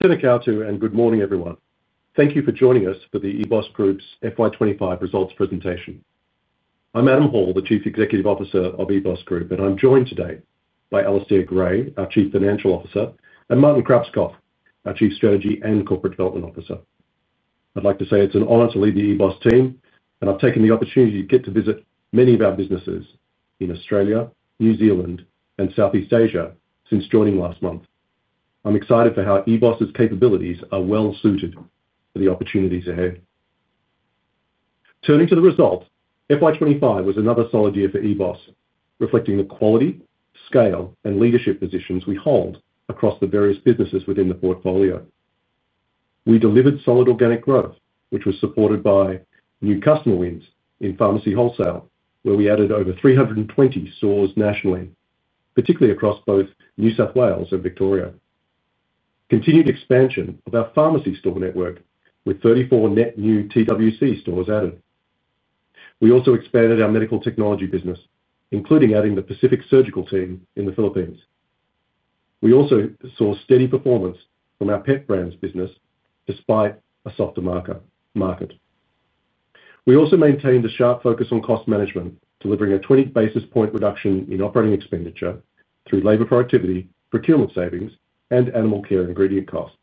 Good morning everyone. Thank you for joining us for the EBOS Group's FY 2025 Results Presentation. I'm Adam Hall, the Chief Executive Officer of EBOS Group and I'm joined today by Alistair Gray, our Chief Financial Officer, and Martin Krauskopf, our Chief Strategy and Corporate Development Officer. I'd like to say it's an honor to lead the EBOS team and I've taken the opportunity to get to visit many of our businesses in Australia, New Zealand, and Southeast Asia since joining last month. I'm excited for how EBOS capabilities are well suited for the opportunities ahead. Turning to the result, FY 2025 was another solid year for EBOS, reflecting the quality, scale, and leadership positions we hold across the various businesses within the portfolio. We delivered solid organic growth which was supported by new customer wins in pharmacy wholesale where we added over 320 stores nationally, particularly across both New South Wales and Victoria. Continued expansion of our pharmacy store network with 34 net new TWC stores added. We also expanded our medical technology business including adding the Pacific Surgical team in the Philippines. We also saw steady performance from our pet brands business despite a softer market. We also maintained a sharp focus on cost management, delivering a 20 basis point reduction in operating expenditure through labor productivity, procurement, savings, and animal care and ingredient costs.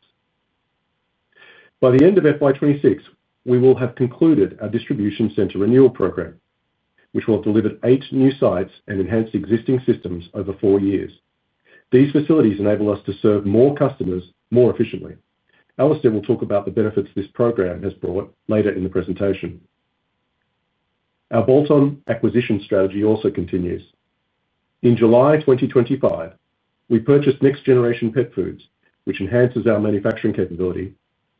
By the end of FY 2026 we will have concluded our Distribution Center Renewal program which will deliver eight new sites and enhance existing systems over four years. These facilities enable us to serve more customers more efficiently. Alistair will talk about the benefits this program has brought later in the presentation. Our bolt-on acquisition strategy also continues. In July 2025 we purchased Next Generation Pet Foods which enhances our manufacturing capability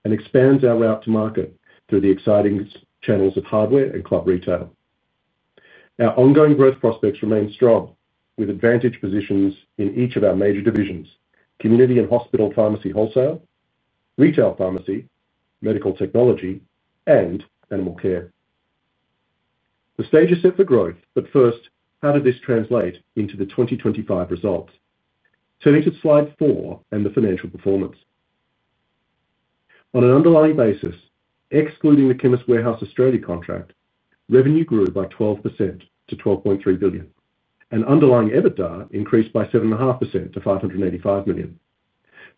and expands our route to market through the exciting channels of hardware and cloth retail. Our ongoing growth prospects remain strong with advantaged positions in each of our major divisions: Community and Hospital Pharmacy, Wholesale Retail Pharmacy, Medical Technology, and Animal Care. The stage is set for growth, but first, how did this translate into the 2025 result? Turning to Slide 4 and the financial performance on an underlying basis excluding the Chemist Warehouse Australia contract, revenue grew by 12% to 12.3 billion and underlying EBITDA increased by 7.5% to 585 million.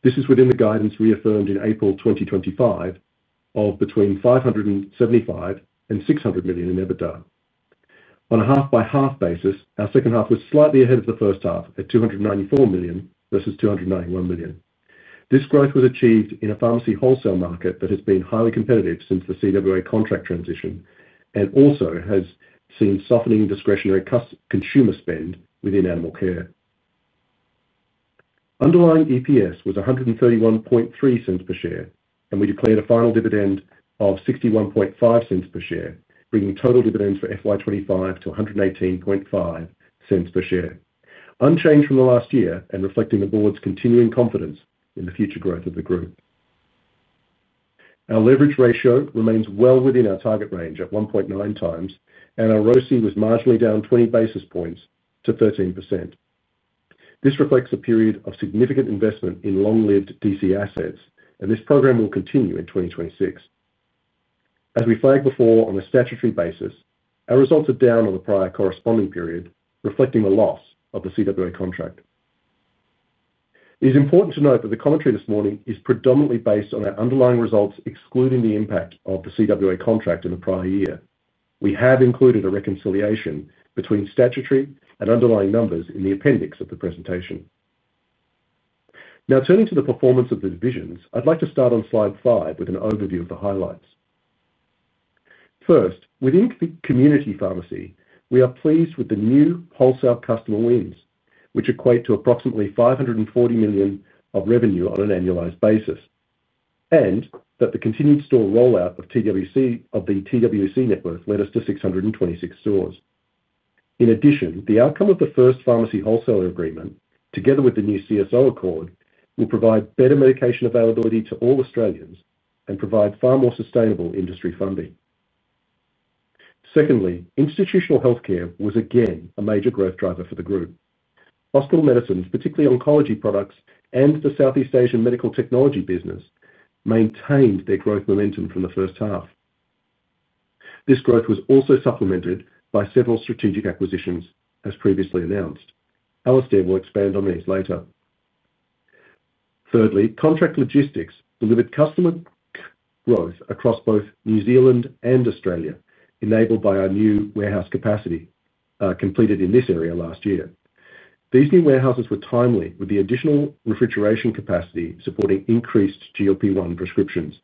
This is within the guidance reaffirmed in April 2025 of between 575 million and 600 million in EBITDA on a half by half basis. Our second half was slightly ahead of the first half at 294 million versus 291 million. This growth was achieved in a pharmacy wholesale market that has been highly competitive since the CWA contract transition and also has seen softening discretionary consumer spend within animal care. Underlying EPS was 1.313 per share and we declared a final dividend of 0.615 per share, bringing total dividends for FY 2025 to 1.185 per share, unchanged from last year and reflecting the Board's continuing confidence in the future growth of the group. Our leverage ratio remains well within our target range of 1.9x and our ROCE was marginally down 20 basis points to 13%. This reflects a period of significant investment in long-lived DC assets and this program will continue in 2026. As we flagged before, on a statutory basis, our results are down on the prior corresponding period reflecting the loss of the CWA contract. It is important to note that the commentary this morning is predominantly based on our underlying results excluding the impact of the CWA contract in the prior year. We have included a reconciliation between statutory and underlying numbers in the appendix of the presentation. Now turning to the performance of the divisions, I'd like to start on Slide 5 with an overview of the highlights. First, within Community Pharmacy we are pleased with the new wholesale customer wins which equate to approximately 540 million of revenue on an annualized basis and that the continued store rollout of the TWC network led us to 626 stores. In addition, the outcome of the first pharmacy wholesaler agreement together with the new CSO Accord will provide better medication availability to all Australians and provide far more sustainable industry funding. Secondly, Institutional Healthcare was again a major growth driver for the group. Hospital medicines, particularly oncology products and the Southeast Asian medical technology business maintained their growth momentum from the first half. This growth was also supplemented by several strategic acquisitions as previously announced. Alistair will expand on these later. Thirdly, contract logistics delivered customer growth across both New Zealand and Australia, enabled by our new warehouse capacity completed in this area last year. These new warehouses were timely, with the additional refrigeration capacity supporting increased GLP-1 prescriptions.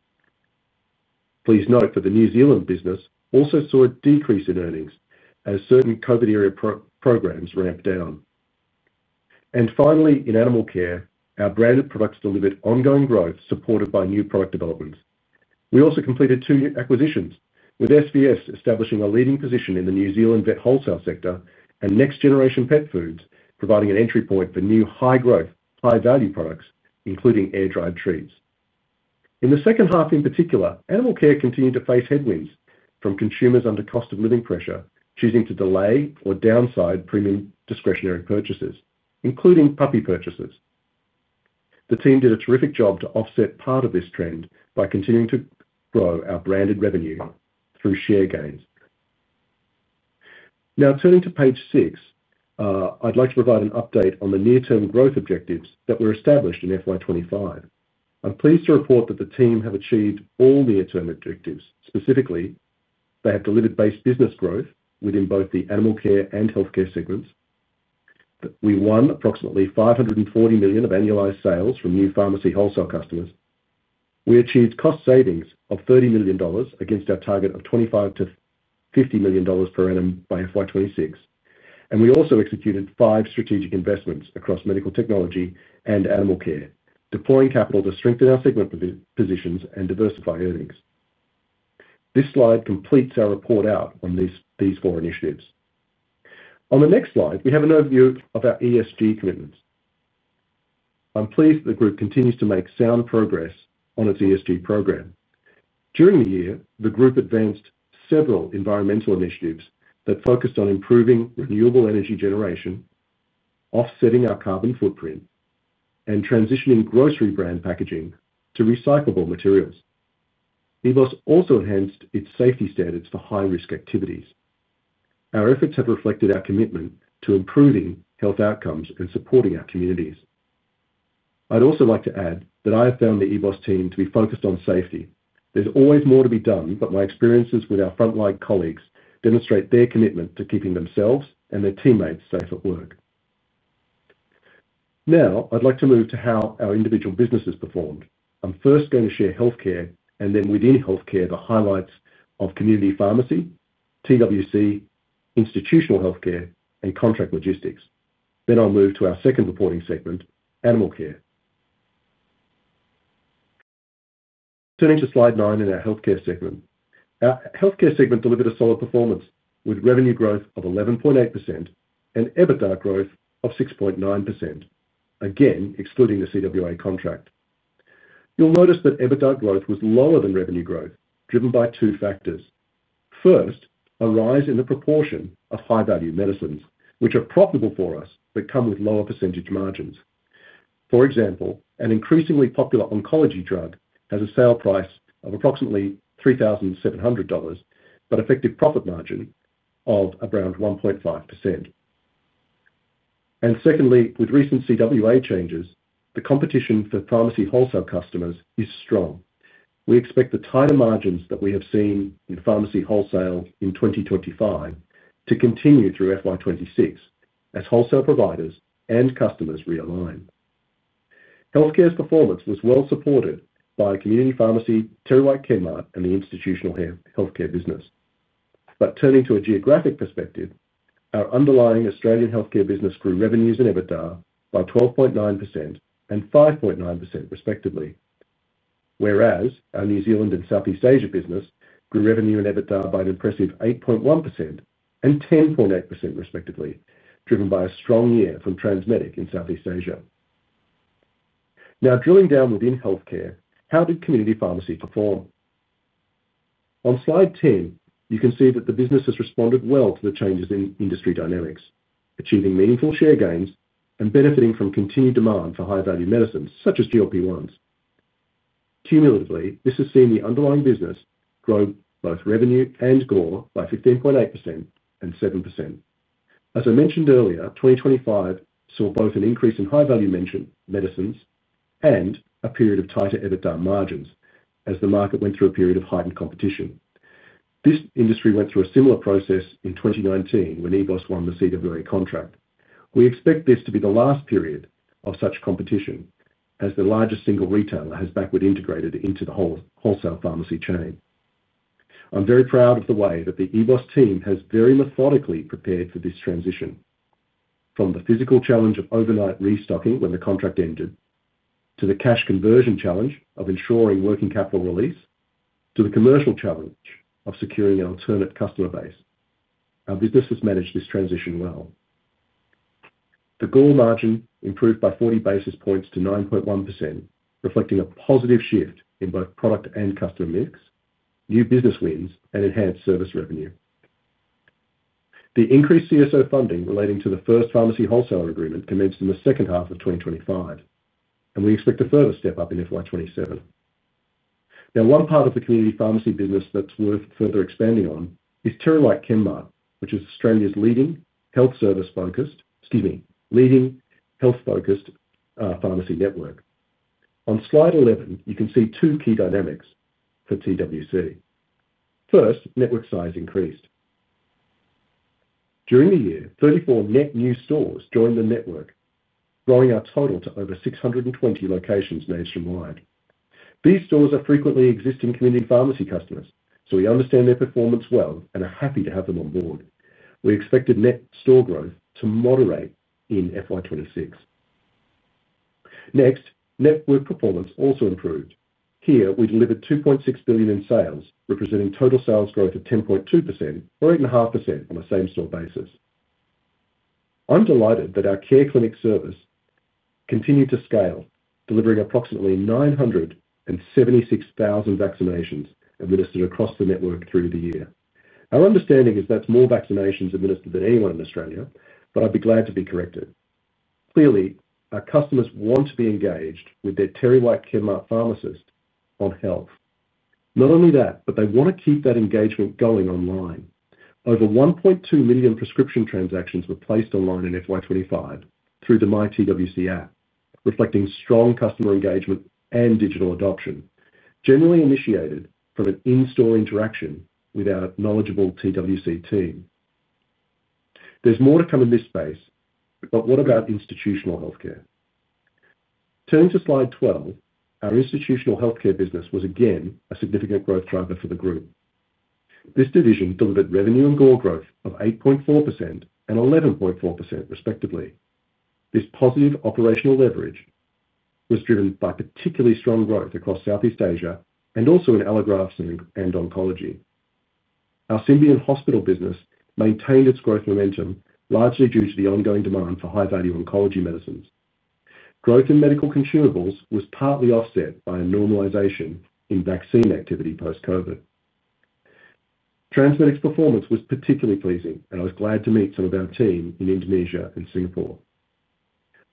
Please note that the New Zealand business also saw a decrease in earnings as certain COVID area programs ramped down. Finally, in animal care, our branded products delivered ongoing growth supported by new product developments. We also completed two new acquisitions, with SVS establishing a leading position in the New Zealand vet wholesale sector and Next Generation Pet Foods providing an entry point for new high growth, high value products, including air dried treats. In the second half in particular, animal care continued to face headwinds from consumers under cost of living pressure, choosing to delay or downsize premium discretionary purchases, including puppy purchases. The team did a terrific job to offset part of this trend by continuing to grow our branded revenue through share gains. Now turning to page six, I'd like to provide an update on the near term growth objectives that were established in FY 2025. I'm pleased to report that the team have achieved all near term objectives. Specifically, they have delivered base business growth within both the animal care and healthcare segments. We won approximately 540 million of annualized sales from new pharmacy wholesale customers. We achieved cost savings of 30 million dollars against our target of 25 million-50 million dollars per annum by FY 2026, and we also executed five strategic investments across medical technology and animal care, deploying capital to strengthen our segment positions and diversify earnings. This slide completes our report out on these four initiatives. On the next slide, we have an overview of our ESG commitments. I'm pleased that the group continues to make sound progress on its ESG program. During the year, the group advanced several environmental initiatives that focused on improving renewable energy generation, offsetting our carbon footprint, and transitioning grocery brand packaging to recyclable materials. EBOS also enhanced its safety standards for high risk activities, as our efforts have reflected our commitment to improving health outcomes and supporting our communities. I'd also like to add that I have found the EBOS team to be focused on safety. There's always more to be done, but my experiences with our frontline colleagues demonstrate their commitment to keeping themselves and their teammates safe at work. Now I'd like to move to how our individual businesses perform. I'm first going to share healthcare and then within healthcare, the highlights of community pharmacy, TWC, institutional healthcare, and contract logistics. Next, I'll move to our second reporting segment, animal care. Turning to slide nine in our healthcare segment. Our healthcare segment delivered a solid performance with revenue growth of 11.8% and EBITDA growth of 6.9%. Again, excluding the Chemist Warehouse Australia contract, you'll notice that EBITDA growth was lower than revenue growth, driven by two factors. First, a rise in the proportion of high value medicines, which are profitable for us but come with lower percentage margins. For example, an increasingly popular oncology drug has a sale price of approximately 3,700 dollars but an effective profit margin of around 1.5%. Second, with recent CWA changes, the competition for pharmacy wholesale customers is strong. We expect the tighter margins that we have seen in pharmacy wholesale in 2025 to continue through FY 2026. As wholesale providers and customers realign, healthcare's performance was well supported by Community Pharmacy, TerryWhite Chemmart, and the institutional healthcare business. From a geographic perspective, our underlying Australian healthcare business grew revenues and EBITDA by 12.9% and 5.9% respectively. Our New Zealand and Southeast Asia business grew revenue and EBITDA by an impressive 8.1% and 10.8% respectively, driven by a strong year from Transmedic in Southeast Asia. Now drilling down within healthcare, how did Community Pharmacy perform? On slide 10, you can see that the business has responded well to the changes in industry dynamics, achieving meaningful share gains and benefiting from continued demand for high value medicines such as GLP-1s. Cumulatively, this has seen the underlying business grow both revenue and GOR by 15.8% and 7%. As I mentioned earlier, 2025 saw both an increase in high value medicines and a period of tighter EBITDA margins as the market went through a period of heightened competition. This industry went through a similar process in 2019 when EBOS Group won the CWA contract. We expect this to be the last period of such competition as the largest single retailer has backward integrated into the wholesale pharmacy chain. I'm very proud of the way that the EBOS team has very methodically prepared for this transition. From the physical challenge of overnight restocking when the contract ended to the cash conversion challenge of ensuring working capital release to the commercial challenge of securing an alternate customer base, our business has managed this transition well. The GOR margin improved by 40 basis points to 9.1%, reflecting a positive shift in both product and customer mix, new business wins, and enhanced service revenue. The increased CSO funding relating to the first pharmacy wholesale agreement commenced in the second half of 2025, and we expect a further step up in FY 2027. Now, one part of the community pharmacy business that's worth further expanding on is TerryWhite Chemmart, which is Australia's leading health-focused pharmacy network. On slide 11, you can see two key dynamics for TWC. First, network size increased. During the year, 34 net new stores joined the network, growing our total to over 620 locations nationwide. These stores are frequently existing pharmacy customers, so we understand their performance well and are happy to have them on board. We expect net store growth to moderate in FY 2026. Next, network performance also improved. Here, we delivered 2.6 billion in sales, representing total sales growth of 10.2% or 8.5% on a same store basis. I'm delighted that our Care Clinic service continued to scale, delivering approximately 976,000 vaccinations administered across the network through the year. Our understanding is that's more vaccinations administered than anyone in Australia, but I'd be glad to be corrected. Clearly, our customers want to be engaged with their TerryWhite Chemmart pharmacist on health. Not only that, but they want to keep that engagement going online. Over 1.2 million prescription transactions were placed online in FY 2025 through the myTWC app, reflecting strong customer engagement and digital adoption, generally initiated from an in-store interaction with our knowledgeable TWC team. There's more to come in this space. What about institutional healthcare? Turning to slide 12, our institutional healthcare business was again a significant growth driver for the group. This division delivered revenue and GOR growth of 8.4% and 11.4%, respectively. This positive operational leverage was driven by particularly strong growth across Southeast Asia and also in allografts and oncology. Our Symbion hospital business maintained its growth momentum largely due to the ongoing demand for high value oncology medicines. Growth in medical consumables was partly offset by a normalization in vaccine activity post COVID. Transmedic's performance was particularly pleasing and I was glad to meet some of our team in Indonesia and Singapore.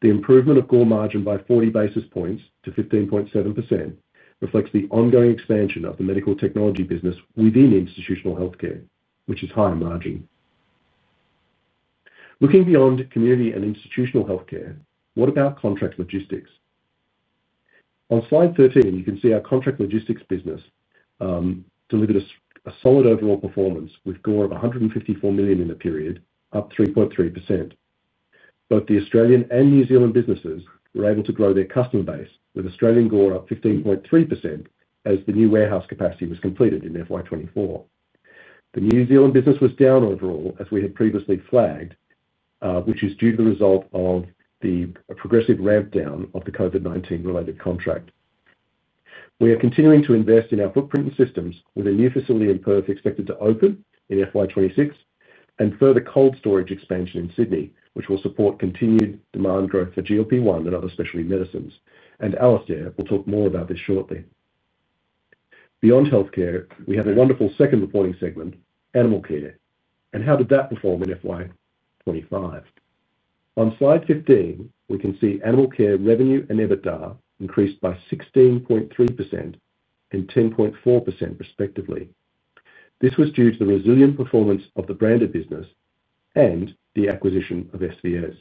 The improvement of GOR margin by 40 basis points to 15.7% reflects the ongoing expansion of the medical technology business within institutional healthcare, which is higher margin. Looking beyond community and institutional healthcare, what about contract logistics? On slide 13 you can see our contract logistics business delivered a solid overall performance with GOR of 154 million in a period up 3.3%. Both the Australian and New Zealand businesses were able to grow their customer base with Australian GOR up 15.3% as the new warehouse capacity was completed in FY 2024. The New Zealand business was down overall as we had previously flagged, which is due to the result of the progressive ramp down of the COVID-19 related contract. We are continuing to invest in our footprint and systems with a new facility in Perth expected to open in FY 2026 and further cold storage expansion in Sydney, which will support continued demand growth for GLP-1 and other specialty medicines, and Alistair will talk more about this shortly. Beyond healthcare, we have a wonderful second reporting segment, animal care, and how did that perform in FY 2025? On slide 15 we can see animal care revenue and EBITDA increased by 16.3% and 10.4% respectively. This was due to the resilient performance of the branded business and the acquisition of SVS.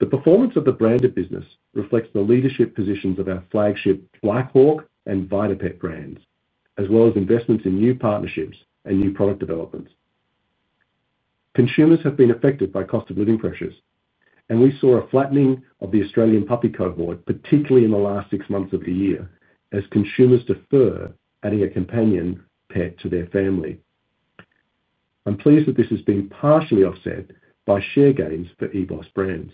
The performance of the branded business reflects the leadership positions of our flagship Black Hawk and VitaPet brands as well as investments in new partnerships and new product developments. Consumers have been affected by cost of living pressures and we saw a flattening of the Australian puppy cohort, particularly in the last six months of the year as consumers defer adding a companion pet to their family. I'm pleased that this has been partially offset by share gains for EBOS brands.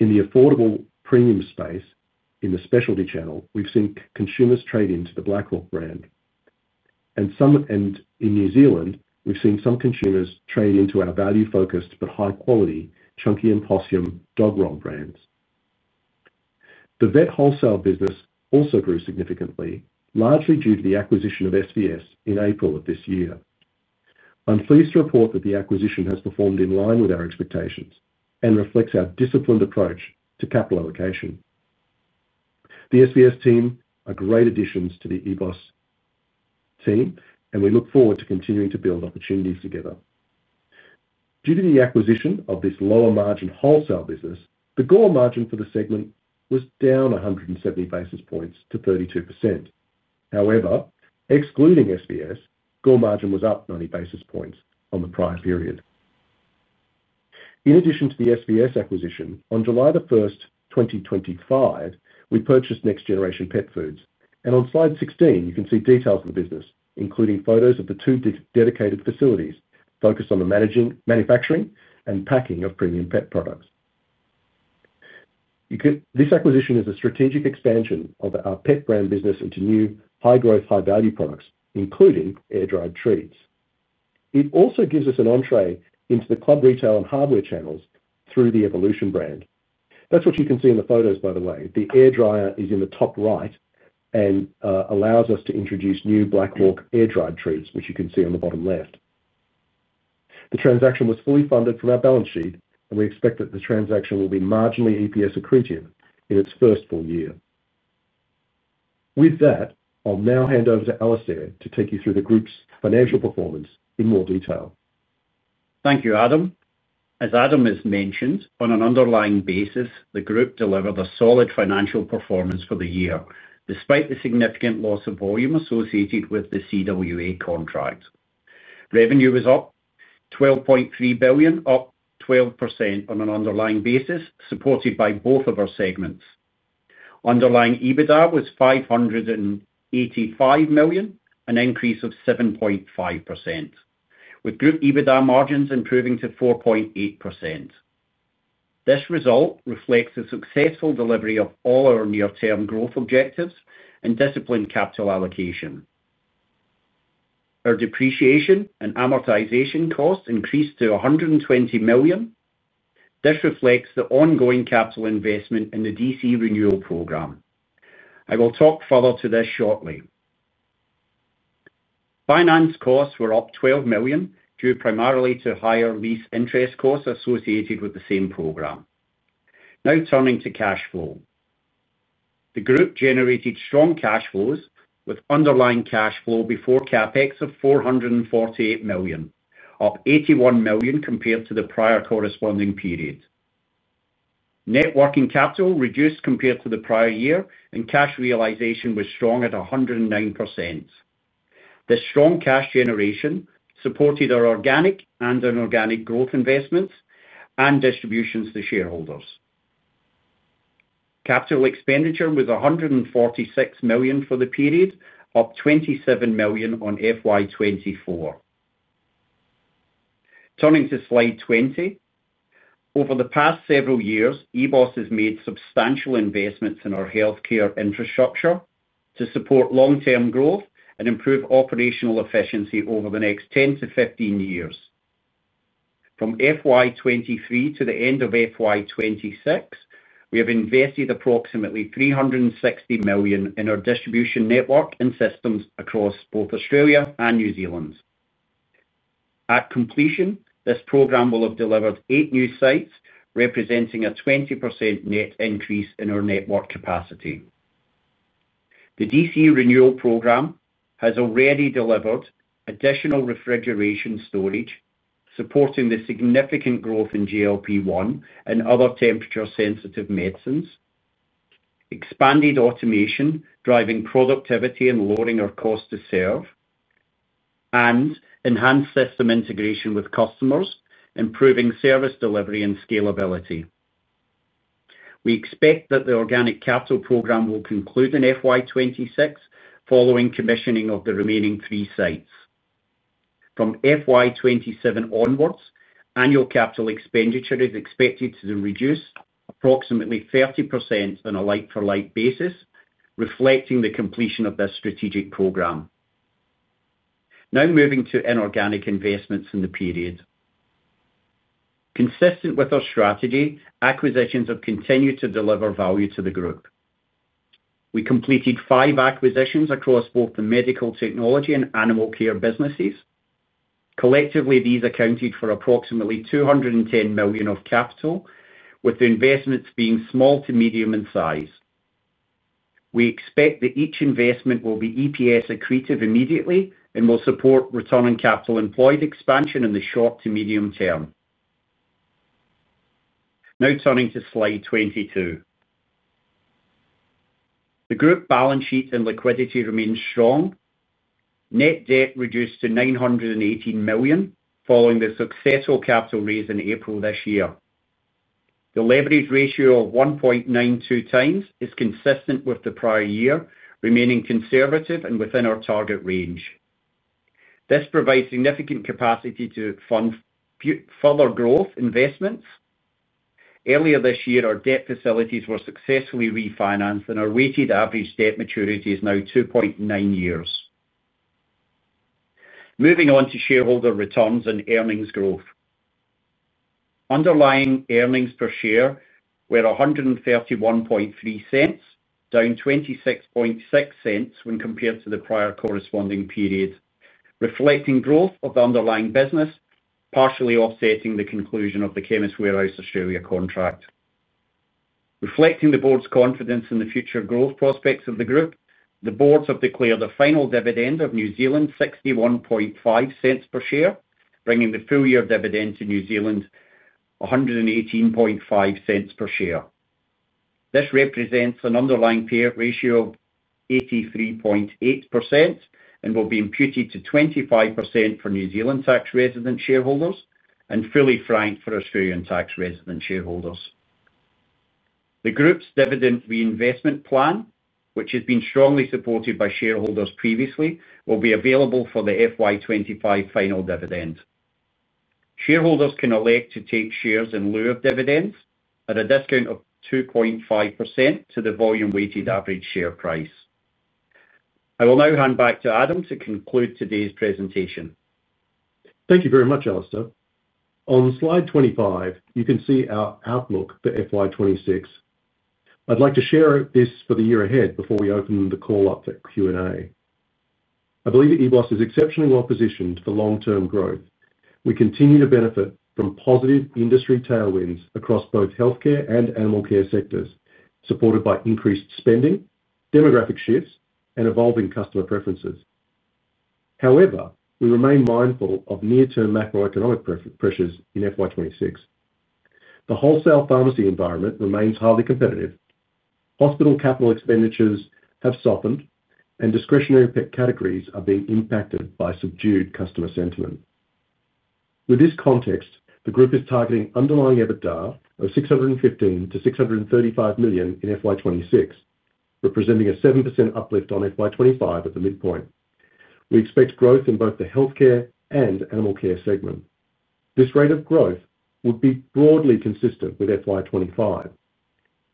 In the affordable premium space, in the specialty channel we've seen consumers trade into the Black Hawk brand and in New Zealand we've seen some consumers trade into our value focused but high quality Chunky and Possyum Dog Roll brands. The vet wholesale business also grew significantly, largely due to the acquisition of SVS in April of this year. I'm pleased to report that the acquisition has performed in line with our expectations and reflects our disciplined approach to capital allocation. The SVS team are great additions to the EBOS team and we look forward to continuing to build opportunities together due to the acquisition of this lower margin wholesale business. The GOR margin for the segment was down 170 basis points to 32%. However, excluding SVS, GOR margin was up 90 basis points on the prior period. In addition to the SVS acquisition, on July the 1st, 2025, we purchased Next Generation Pet Foods and on slide 16 you can see details of the business including photos of the two dedicated facilities focused on the managing, manufacturing, and packing of premium pet products. This acquisition is a strategic expansion of our pet brand business into new high growth, high value products including air dried treats. It also gives us an entry into the club, retail, and hardware channels through the Evolution brand. That's what you can see in the photos, by the way. The air dryer is in the top right and allows us to introduce new Black Hawk air dried treats, which you can see on the bottom left. The transaction was fully funded from our balance sheet and we expect that the transaction will be marginally EPS accretive in its first full year. With that, I'll now hand over to Alistair to take you through the group's financial performance in more detail. Thank you Adam. As Adam has mentioned, on an underlying basis the group delivered a solid financial performance for the year despite the significant loss of volume associated with the CWA contract. Revenue was 12.3 billion, up 12% on an underlying basis supported by both of our segments. Underlying EBITDA was 585 million, an increase of 7.5% with group EBITDA margins improving to 4.8%. This result reflects the successful delivery of all our near term growth objectives and disciplined capital allocation. Our depreciation and amortization costs increased to 120 million. This reflects the ongoing capital investment in the DC Renewal program. I will talk further to this shortly. Finance costs were up 12 million due primarily to higher lease interest costs associated with the same program. Now turning to cash flow, the group generated strong cash flows with underlying cash flow before CapEx of 448 million, up 81 million compared to the prior corresponding period. Net working capital reduced compared to the prior year and cash realization was strong at 109%. The strong cash generation supported our organic and inorganic growth investments and distributions to shareholders. Capital expenditure was 146 million for the period, up 27 million on FY 2024. Turning to slide 20, over the past several years EBOS has made substantial investments in our healthcare infrastructure to support long term growth and improve operational efficiency over the next 10-15 years. From FY 2023 to the end of FY 2026, we have invested approximately 360 million in our distribution network and systems across both Australia and New Zealand. At completion, this program will have delivered eight new sites representing a 20% net increase in our network capacity. The DC Renewal program has already delivered additional refrigeration storage, supporting the significant growth in GLP-1 and other temperature sensitive medicines, expanded automation driving productivity and lowering our cost to serve, and enhanced system integration with customers, improving service delivery and scalability. We expect that the organic capital program will conclude in FY 2026 following commissioning of the remaining three sites. From FY 2027 onwards, annual capital expenditure is expected to reduce approximately 30% on a like-for-like basis reflecting the completion of this strategic program. Now moving to inorganic investments in the period, consistent with our strategy, acquisitions have continued to deliver value to the group. We completed five acquisitions across both the medical technology and animal care businesses. Collectively these accounted for approximately 210 million of capital with investments being small to medium in size, we expect that each investment will be EPS accretive immediately and will support return on capital employed expansion in the short to medium term. Now turning to slide 22. The group balance sheet and liquidity remain strong. Net debt reduced to 918 million following the successful capital raise in April this year. The leverage ratio of 1.92x is consistent with the prior year, remaining conservative and within our target range. This provides significant capacity to fund further growth investments. Earlier this year our debt facilities were successfully refinanced and our weighted average debt maturity is now 2.9 years. Moving on to shareholder returns and earnings growth, underlying earnings per share were 131.30, down 26.60 when compared to the prior corresponding period, reflecting growth of the underlying business, partially offsetting the conclusion of the Chemist Warehouse Australia contract. Reflecting the Board's confidence in the future growth prospects of the group, the Board has declared a final dividend of 61.50 per share, bringing the full year dividend to 118.50 per share. This represents an underlying payout ratio of 83.8% and will be imputed to 25% for New Zealand tax resident shareholders and fully franked for Australian tax resident shareholders. The group's dividend reinvestment plan, which has been strongly supported by shareholders previously, will be available for the FY 2025 final dividend. Shareholders can elect to take shares in lieu of dividends at a discount of 2.5% to the volume weighted average share price. I will now hand back to Adam to conclude today's presentation. Thank you very much, Alistair. On slide 25, you can see our outlook for FY 2026. I'd like to share this for the year ahead before we open the call up for Q&A. I believe EBOS is exceptionally well positioned for long term growth. We continue to benefit from positive industry tailwinds across both healthcare and animal care sectors, supported by increased spending, demographic shifts, and evolving customer preferences. However, we remain mindful of near term macroeconomic pressures in FY 2026. The wholesale pharmacy environment remains highly competitive, hospital capital expenditures have softened, and discretionary pet categories are being impacted by subdued customer sentiment. With this context, the group is targeting underlying EBITDA of 615 million-635 million in FY 2026, representing a 7% uplift on FY 2025 at the midpoint. We expect growth in both the healthcare and animal care segment. This rate of growth would be broadly consistent with FY 2025.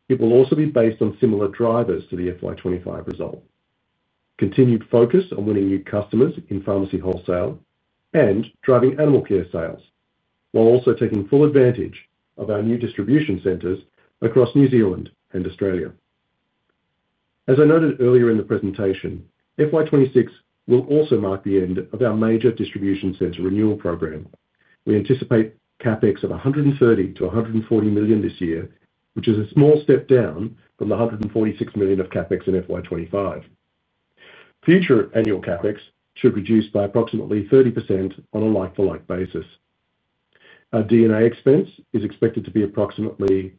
It will also be based on similar drivers to the FY 2025 result: continued focus on winning new customers in pharmacy wholesale and driving animal care sales while also taking full advantage of our new distribution centers across New Zealand and Australia. As I noted earlier in the presentation, FY 2026 will also mark the end of our major Distribution Center Renewal program. We anticipate CapEx of 130 million-140 million this year, which is a small step down from the 146 million of CapEx in FY 2025. Future annual CapEx should reduce by approximately 30% on a like-for-like basis. Our D&A expense is expected to be approximately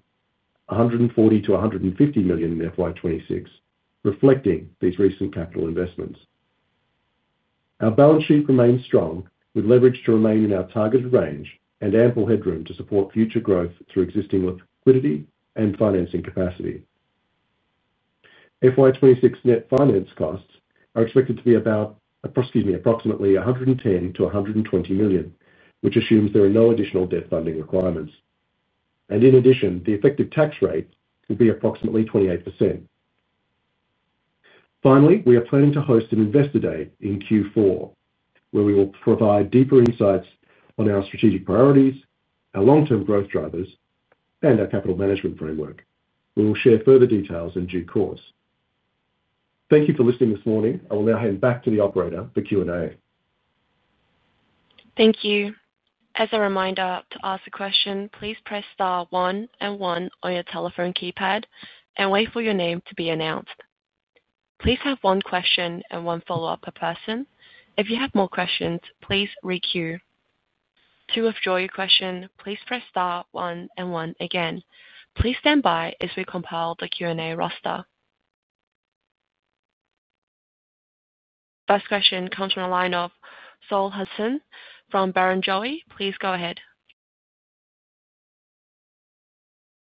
140 million-150 million in FY 2026, reflecting these recent capital investments. Our balance sheet remains strong with leverage to remain in our targeted range and ample headroom to support future growth through existing liquidity and financing capacity. FY 2026 net finance costs are expected to be approximately 110 million-120 million, which assumes there are no additional debt funding requirements. In addition, the effective tax rate will be approximately 28%. Finally, we are planning to host an Investor Day in Q4 where we will provide deeper insights on our strategic priorities, our long term growth drivers, and our capital management framework. We will share further details in due course. Thank you for listening this morning. I will now hand back to the operator for Q&A. Thank you. As a reminder, to ask a question, please press Star one and one on your telephone keypad and wait for your name to be announced. Please have one question and one follow-up per person. If you have more questions, please re-queue. To withdraw your question, please press Star one and one again. Please stand by as we compile the Q&A roster. First question comes from the line of Saul Hadassin from Barrenjoey. Please go ahead.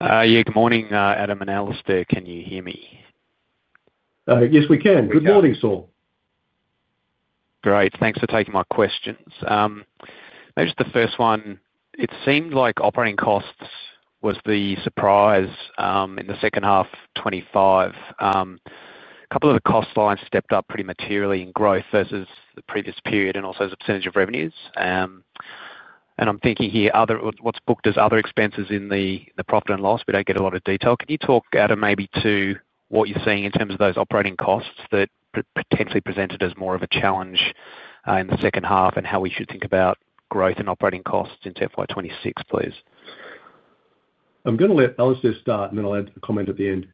Yeah, good morning Adam and Alistair. Can you hear me? Yes, we can. Good morning, Saul. Great. Thanks for taking my questions. Maybe just the first one. It seemed like operating costs was the surprise in the second half 2025. A couple of the cost lines stepped up pretty materially in growth versus the previous period and also as a percentage of revenues. I'm thinking here what's booked as other expenses in the profit and loss. We don't get a lot of detail. Can you talk Adam maybe to what you're seeing in terms of those operating costs that potentially presented as more of a challenge in the second half and how we should think about growth in operating costs into FY 2026, please? I'm going to let Alistair start and then I'll add a comment at the end.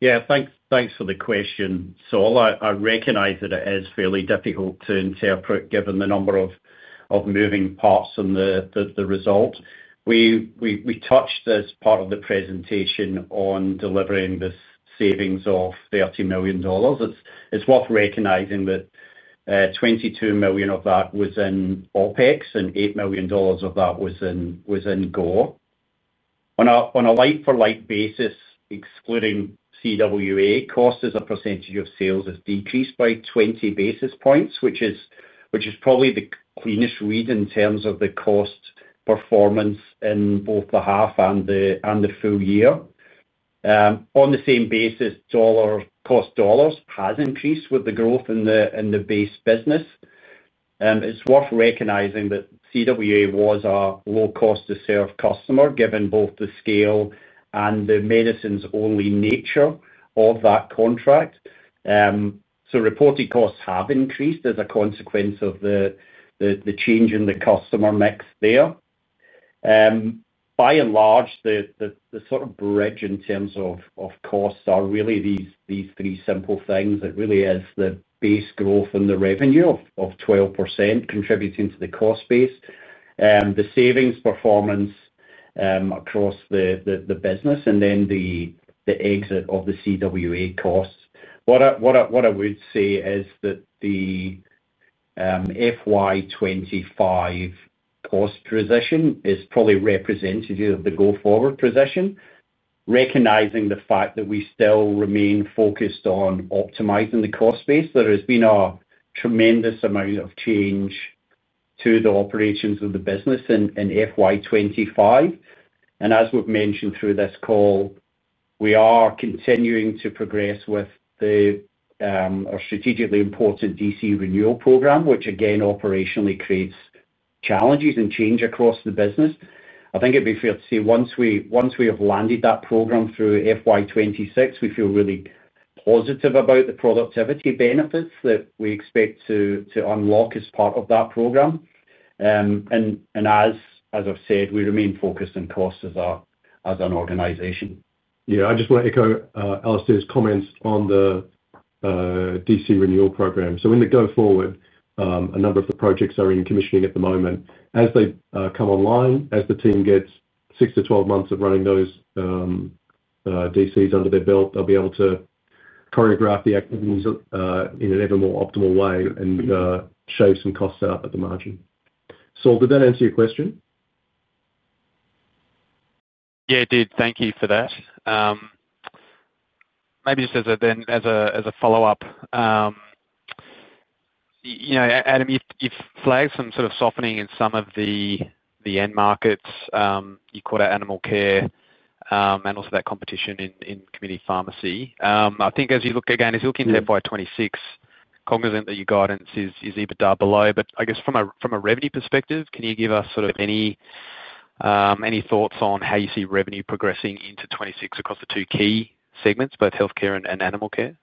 Yeah, thanks. Thanks for the question, Saul. I recognize that it is fairly difficult to interpret given the number of moving parts and the result we touched as part of the presentation on delivering this savings of 30 million dollars. It's worth recognizing that 22 million of that was in OpEx and 8 million dollars of that was in go. On a like-for-like basis, excluding CWA cost as a percentage of sales has decreased by 20 basis points, which is probably the cleanest read in terms of the cost performance in both the half and the full year. On the same basis, cost dollars has increased with the growth in the base business. It's worth recognizing that CWA was a low cost to serve customer given both the scale and the medicines-only nature of that contract. Reported costs have increased as a consequence of the change in the customer mix there. By and large, the sort of bridge in terms of costs are really these three simple things. It really is the base growth and the revenue of 12% contributing to the cost base, the savings performance across the business, and then the exit of the CWA costs. What I would say is that the FY 2025 cost position is probably representative of the go-forward position, recognizing the fact that we still remain focused on optimizing the cost base. There has been a tremendous amount of change to the operations of the business in FY 2025. As we've mentioned through this call, we are continuing to progress with the strategically important DC Renewal program, which again operationally creates challenges and change across the business. I think it'd be fair to say once we have landed that program through FY 2026, we feel really positive about the productivity benefits that we expect to unlock as part of that program. As I've said, we remain focused on cost as an organization. Yeah, I just want to echo Alistair's comments on the DC Renewal program. In the go forward, a number of the projects are in commissioning at the moment. As they come online, as the team gets six to 12 months of running those DCs under their belt, they'll be able to choreograph the activities in an ever more optimal way and shave some costs up at the margin. Saul, did that answer your question? Yeah, it did. Thank you for that. Maybe just as a follow-up, you know, Adam, you flag some sort of softening in some of the end markets. You called out animal care and also that competition in community pharmacy. I think as you look into FY 2026, cognizant that your guidance is EBITDA below, from a revenue perspective, can you give us any thoughts on how you see revenue progressing into 2026 across the two key segments, both healthcare and animal care?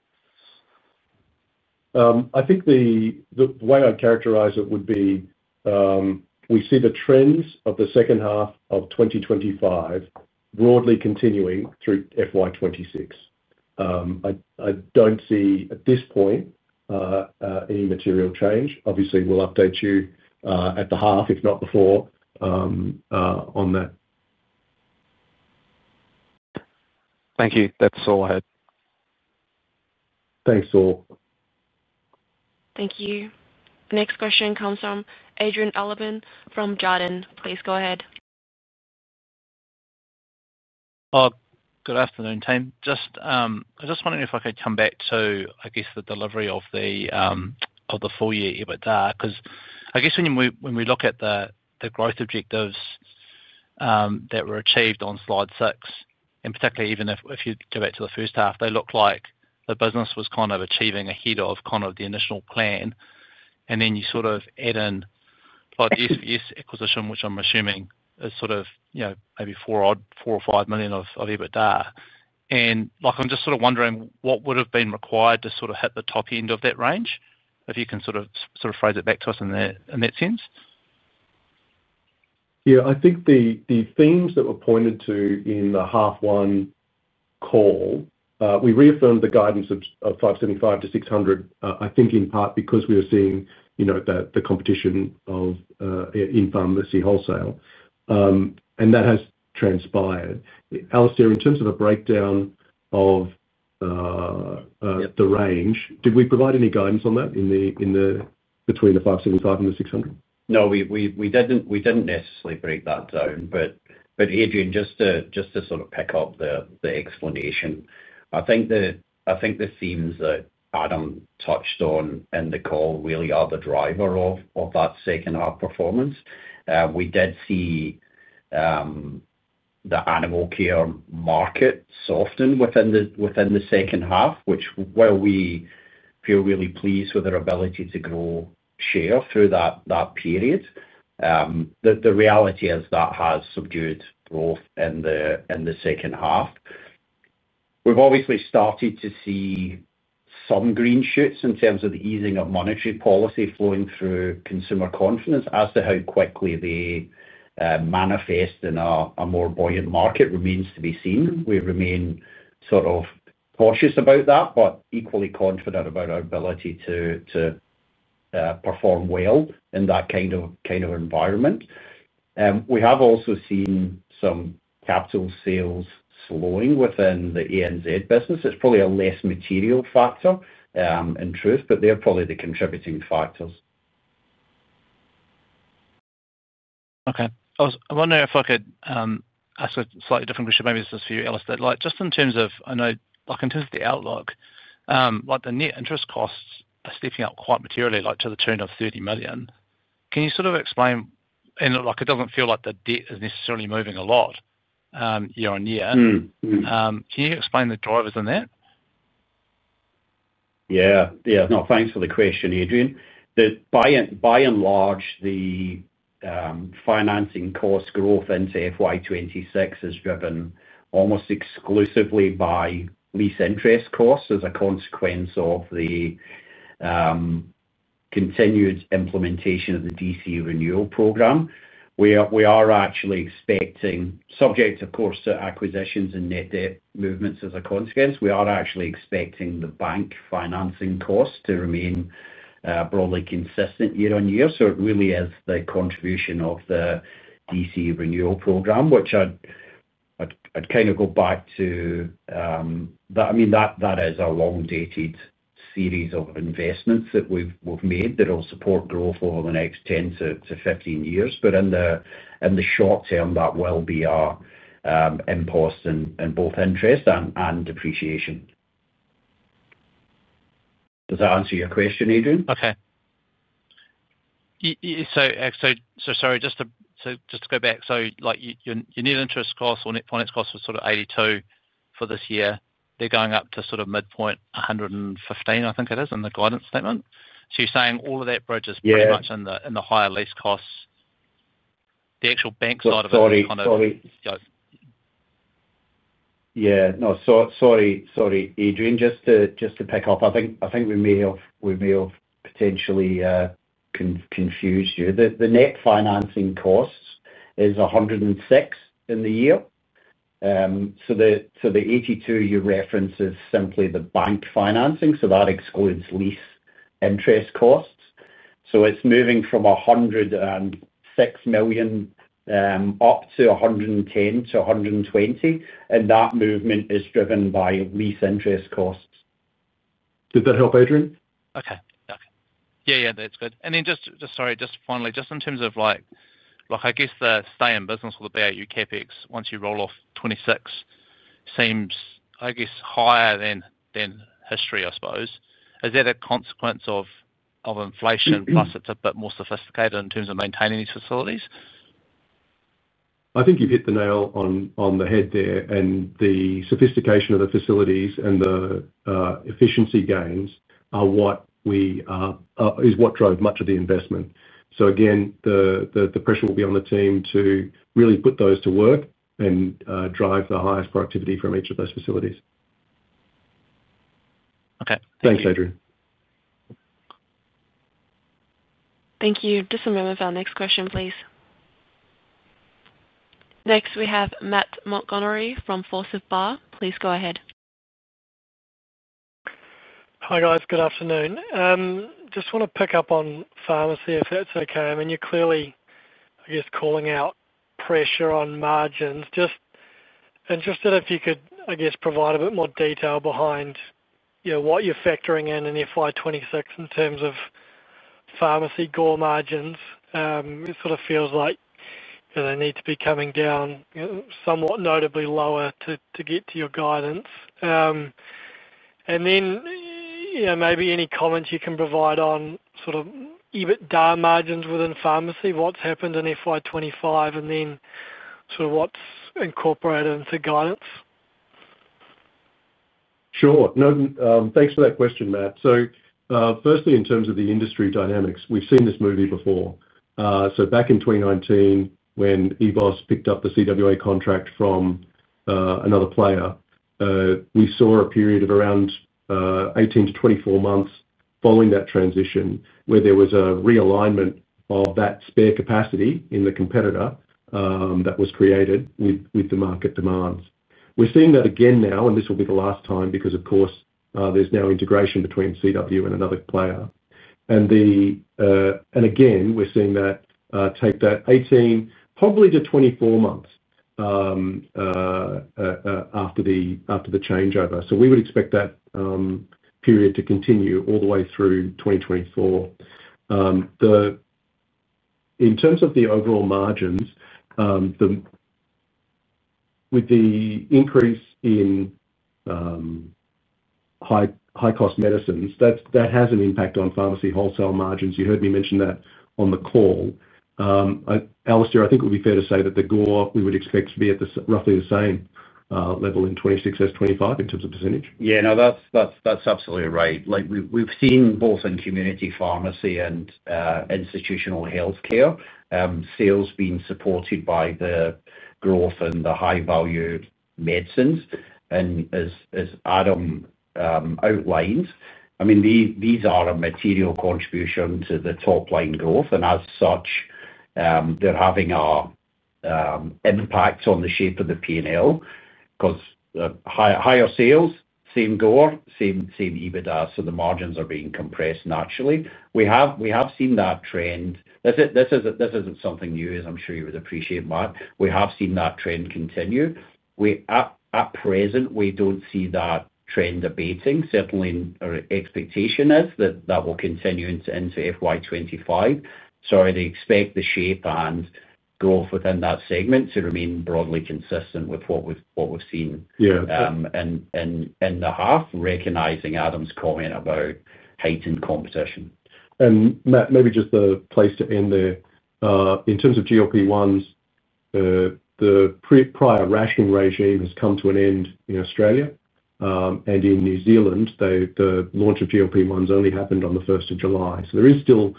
I think the way I'd characterize it would be we see the trends of the second half of 2025 broadly continuing through FY 2026. I don't see at this point any material change. Obviously, we'll update you at the half, if not before, on that. Thank you. That's all I had. Thanks Saul. Thank you. Next question comes from Adrian Allbon from Jarden. Please go ahead. Good afternoon team. I was just wondering if I could come back to the delivery of the full year EBITDA, because I guess when we look at the growth objectives that were achieved on slide 6, and particularly even if you go back to the first half, they look like the business was kind of achieving ahead of the initial plan, and then you sort of add in the SVS acquisition, which I'm assuming is maybe 4 million or 5 million of EBITDA. I'm just wondering what would have been required to hit the top end of that range. If you can phrase it back to us in that sense. Yeah, I think the themes that were pointed to in the half one call, we reaffirmed the guidance of 575 million-600 million. I think in part because we were seeing the competition in pharmacy wholesale, and that has transpired. Alistair, in terms of the breakdown of the range, did we provide any guidance on that between the 575 million and the 600 million? No, we didn't necessarily break that down, but Adrian, just to sort of pick up the explanation, I think the themes that Adam touched on in the call really are the driver of that second half performance. We did see the animal care market soften within the second half, which is where we feel really pleased with our ability to grow share through that period. The reality is that has subdued growth in the second half. We've obviously started to see some green shoots in terms of the easing of monetary policy flowing through consumer confidence. As to how quickly that manifests in a more buoyant market remains to be seen. We remain sort of cautious about that, but equally confident about our ability to perform well in that kind of environment. We have also seen some capital sales slowing within the ANZ business. It's probably a less material factor in truth, but they're probably the contributing factors. Okay, I was wondering if I could. Ask a slightly different question. Maybe it's just for you, Alistair, like. Just in terms of, I know, like in terms of the outlook, like the net interest costs are stepping up quite materially, like to the turn of 30 million. Can you sort of explain, and like it doesn't feel like the debt is necessarily moving a lot year-on-year. Can you explain the drivers in that? Yeah, no. Thanks for the question, Adrian. By and large, the financing cost growth into FY 2026 is driven almost exclusively by lease interest costs as a consequence of the continued implementation of the DC Renewal program. We are actually expecting, subject of course to acquisitions and net debt movements, as a consequence, we are actually expecting the bank financing costs to remain broadly consistent year-on-year. It really is the contribution of the DC Renewal program, which I'd kind of go back to. I mean, that is a long-dated series of investments that we've made that will support growth over the next 10-15 years. In the short term, that will be our impulse in both interest and depreciation. Does that answer your question, Adrian? Okay, sorry, just to go back. Your net interest costs or net finance costs was sort of 82 million for this year. They're going up to sort of midpoint 115 million, I think it is in the guidance statement. You're saying all of that bridge is pretty much in the higher lease costs, the actual bank side of it, though? Yeah, no, sorry Adrian, just to pick up, I think we may have potentially confused you. The net financing costs is 106 million in the year. The 82 million you reference is simply the bank financing, so that excludes lease interest costs. It's moving from 106 million up to 110 million-120 million, and that movement is driven by lease interest costs. Did that help, Adrian? Okay, yeah, that's good. Just finally, in terms of the stay in business with [about your] CapEx once you roll off 2026, it seems higher than history, I suppose. Is that a consequence of inflation? Plus, it's a bit more sophisticated in terms of maintaining these facilities. I think you've hit the nail on the head there. The sophistication of the facilities and the efficiency gains is what drove much of the investment. The pressure will be on the team to really put those to work and drive the highest productivity from each of those facilities. Okay, thanks. Thanks, Adrian. Thank you. Just moving to our next question, please. Next we have Matt Montgomerie from Forsyth Barr. Please go ahead. Hi guys. Good afternoon. Just want to pick up on pharmacy, if that's okay. I mean you're clearly calling out pressure on margins. If you could, I guess, provide a bit more detail behind what you're factoring in in FY 2026 in terms of pharmacy GOR margins. It sort of feels like they need to be coming down somewhat notably lower to get to your guidance, and then maybe any comments you can provide on EBITDA margins within pharmacy. What's happened in FY 2025 and then what's incorporated into guidance? Sure, thanks for that question, Matt. Firstly, in terms of the industry dynamics, we've seen this movie before. Back in 2019 when EBOS picked up the CWA contract from another player, we saw a period of around 18-24 months following that transition where there was a realignment of that spare capacity in the competitor that was created with the market demands. We're seeing that again now and this will be the last time because of course there's now integration between CWA and another player. Again, we're seeing that take that 18 probably to 24 months after the changeover. We would expect that period to continue all the way through 2024. In terms of the overall margins, with the increase in high cost medicines, that has an impact on pharmacy wholesale margins. You heard me mention that on the call. Alistair, I think it would be fair to say that the GOR, we would expect to be at roughly the same level in 2026 as 2025 in terms of percent. Yeah, that's absolutely right. We've seen both in community pharmacy and institutional healthcare being supported by the growth and the high value medicines. As Adam outlines, these are a material contribution to the top line growth, and as such they're having an impact on the shape of the P&L because higher sales, same GOR, same EBITDA. The margins are being compressed. Naturally, we have seen that trend. This isn't something new, as I'm sure you would appreciate, Matt. We have seen that trend continue. At present, we don't see that trend abating. Certainly, our expectation is that that will continue into FY 2025. I'd expect the shape and growth within that segment to remain broadly consistent with what we've seen in the half, recognizing Adam's comment about heightened competition. Matt, maybe just a place to end there. In terms of GLP-1s, the prior rationing regime has come to an end in Australia, and in New Zealand the launch of GLP-1s only happened on the 1st of July. There is still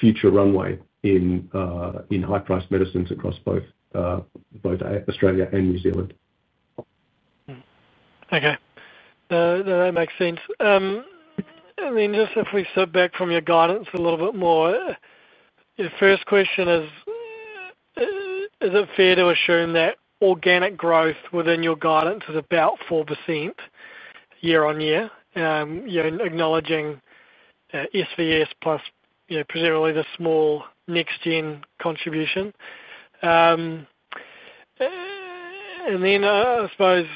future runway in high priced medicines across both Australia and New Zealand. Okay, that makes sense. If we sit back from your guidance a little bit more, your first question is is it fair to assume that organic growth within your guidance is about 4% year-on-year, you're acknowledging SVS plus presumably the small Next Generation Pet Foods contribution, and then I suppose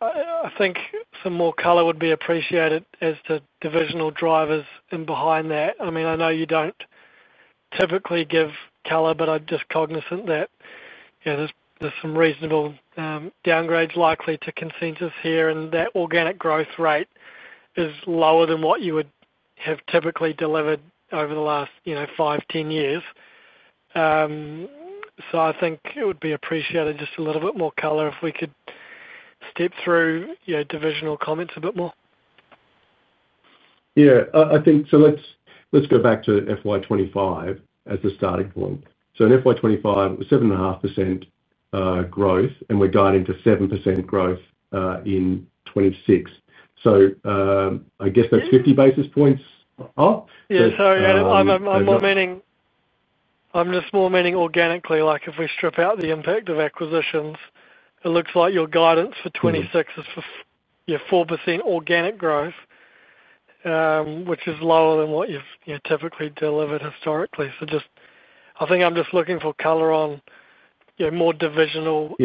I think some more color would be appreciated as to divisional drivers in behind that. I mean I know you don't typically give color, but I'm just cognizant that there's some reasonable downgrades likely to consensus here and that organic growth rate is lower than what you would have typically delivered over the last five, 10 years. I think it would be appreciated just a little bit more color if we could step through your divisional comments a bit more. Yeah. I think, let's go back to FY 2025 as the starting point. In FY 2025 was 7.5% growth and we got into 7% growth in 2026. I guess that's 50 basis points. I'm just more meaning organically. Like if we strip out the impact of acquisitions, it looks like your guidance for 2026 is for 4% organic growth, which is lower than what you've typically delivered historically. I think I'm just looking for color on more divisional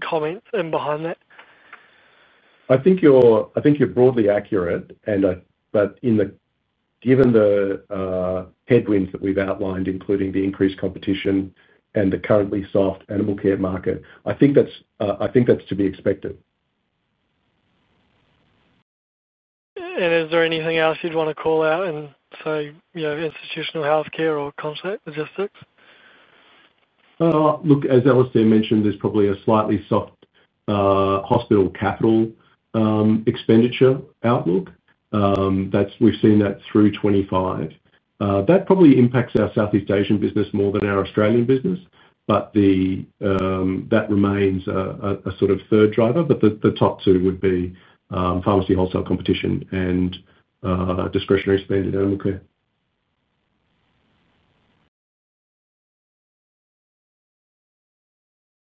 comments in behind that. I think you're broadly accurate, but given the headwinds that we've outlined, including the increased competition and the currently soft animal care market, I think that's to be expected. Is there anything else you'd want to call out in institutional healthcare or concept logistics? Look, as Alistair mentioned, there's probably a slightly soft hospital capital expenditure outlook. We've seen that through 2025. That probably impacts our Southeast Asian business more than our Australian business, but that remains a sort of third driver. The top two would be pharmacy wholesale competition and discretionary spending.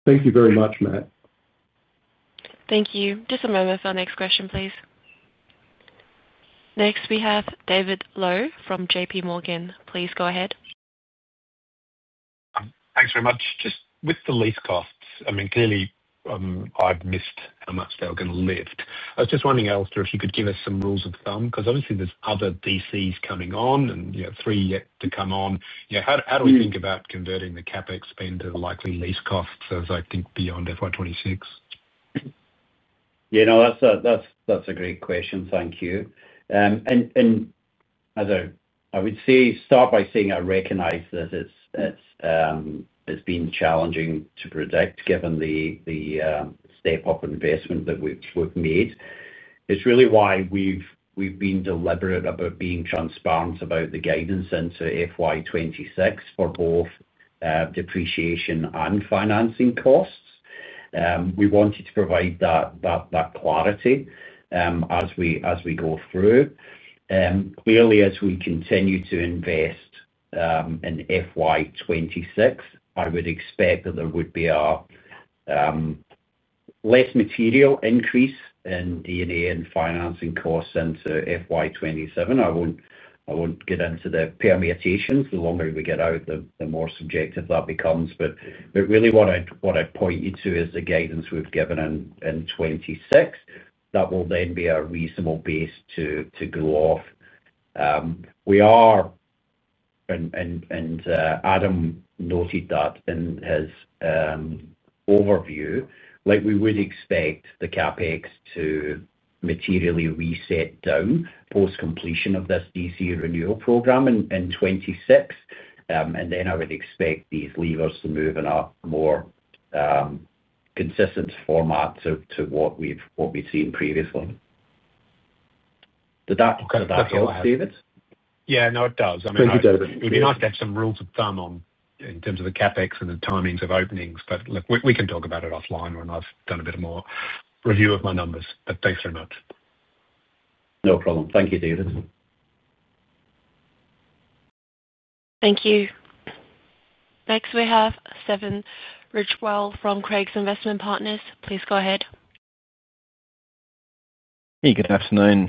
Thank you very much, Matt. Thank you. Just a moment for our next question, please. Next we have David Loeb from JPMorgan. Please go ahead. Thanks very much. Just with the lease costs, I mean. Clearly I've missed how much they were going to lift. I was just wondering, Alistair, if you. Could give us some rules of thumb because obviously there's other DCs coming on and three yet to come on. How do we think about converting the CapEx spend to the likely lease costs as I think beyond FY 2026? You know, that's a great question. Thank you. As I would say, start by saying I recognize that it's been challenging to predict given the step up investment that we've made. It's really why we've been deliberate about being transparent about the guidance into FY 2026 for both depreciation and financing costs. We wanted to provide that clarity as we go through. Clearly, as we continue to invest in FY 2026, I would expect that there would be a less material increase in D&A and financing costs into FY 2027. I won't get into the permutations. The longer we get out, the more subjective that becomes. Really what I'd point you to is the guidance we've given in 2026. That will then be a reasonable base to go off. We are, and Adam noted that in his overview, like, we would expect the CapEx to materially reset down post completion of this DC Renewal program in 2026 and then I would expect these levers to move in a more consistent format to what we've seen previously. Did that kind of help, David? Yeah, no, it does. Thank you, David. It'd be nice to have some rules of thumb in terms of the CapEx and the timings of openings. We can talk about it offline when I've done a bit more review of my numbers. Thanks for the note. No problem. Thank you, David. Thank you. Next we have Stephen Ridgewell from Craigs Investment Partners. Please go ahead. Hey, good afternoon.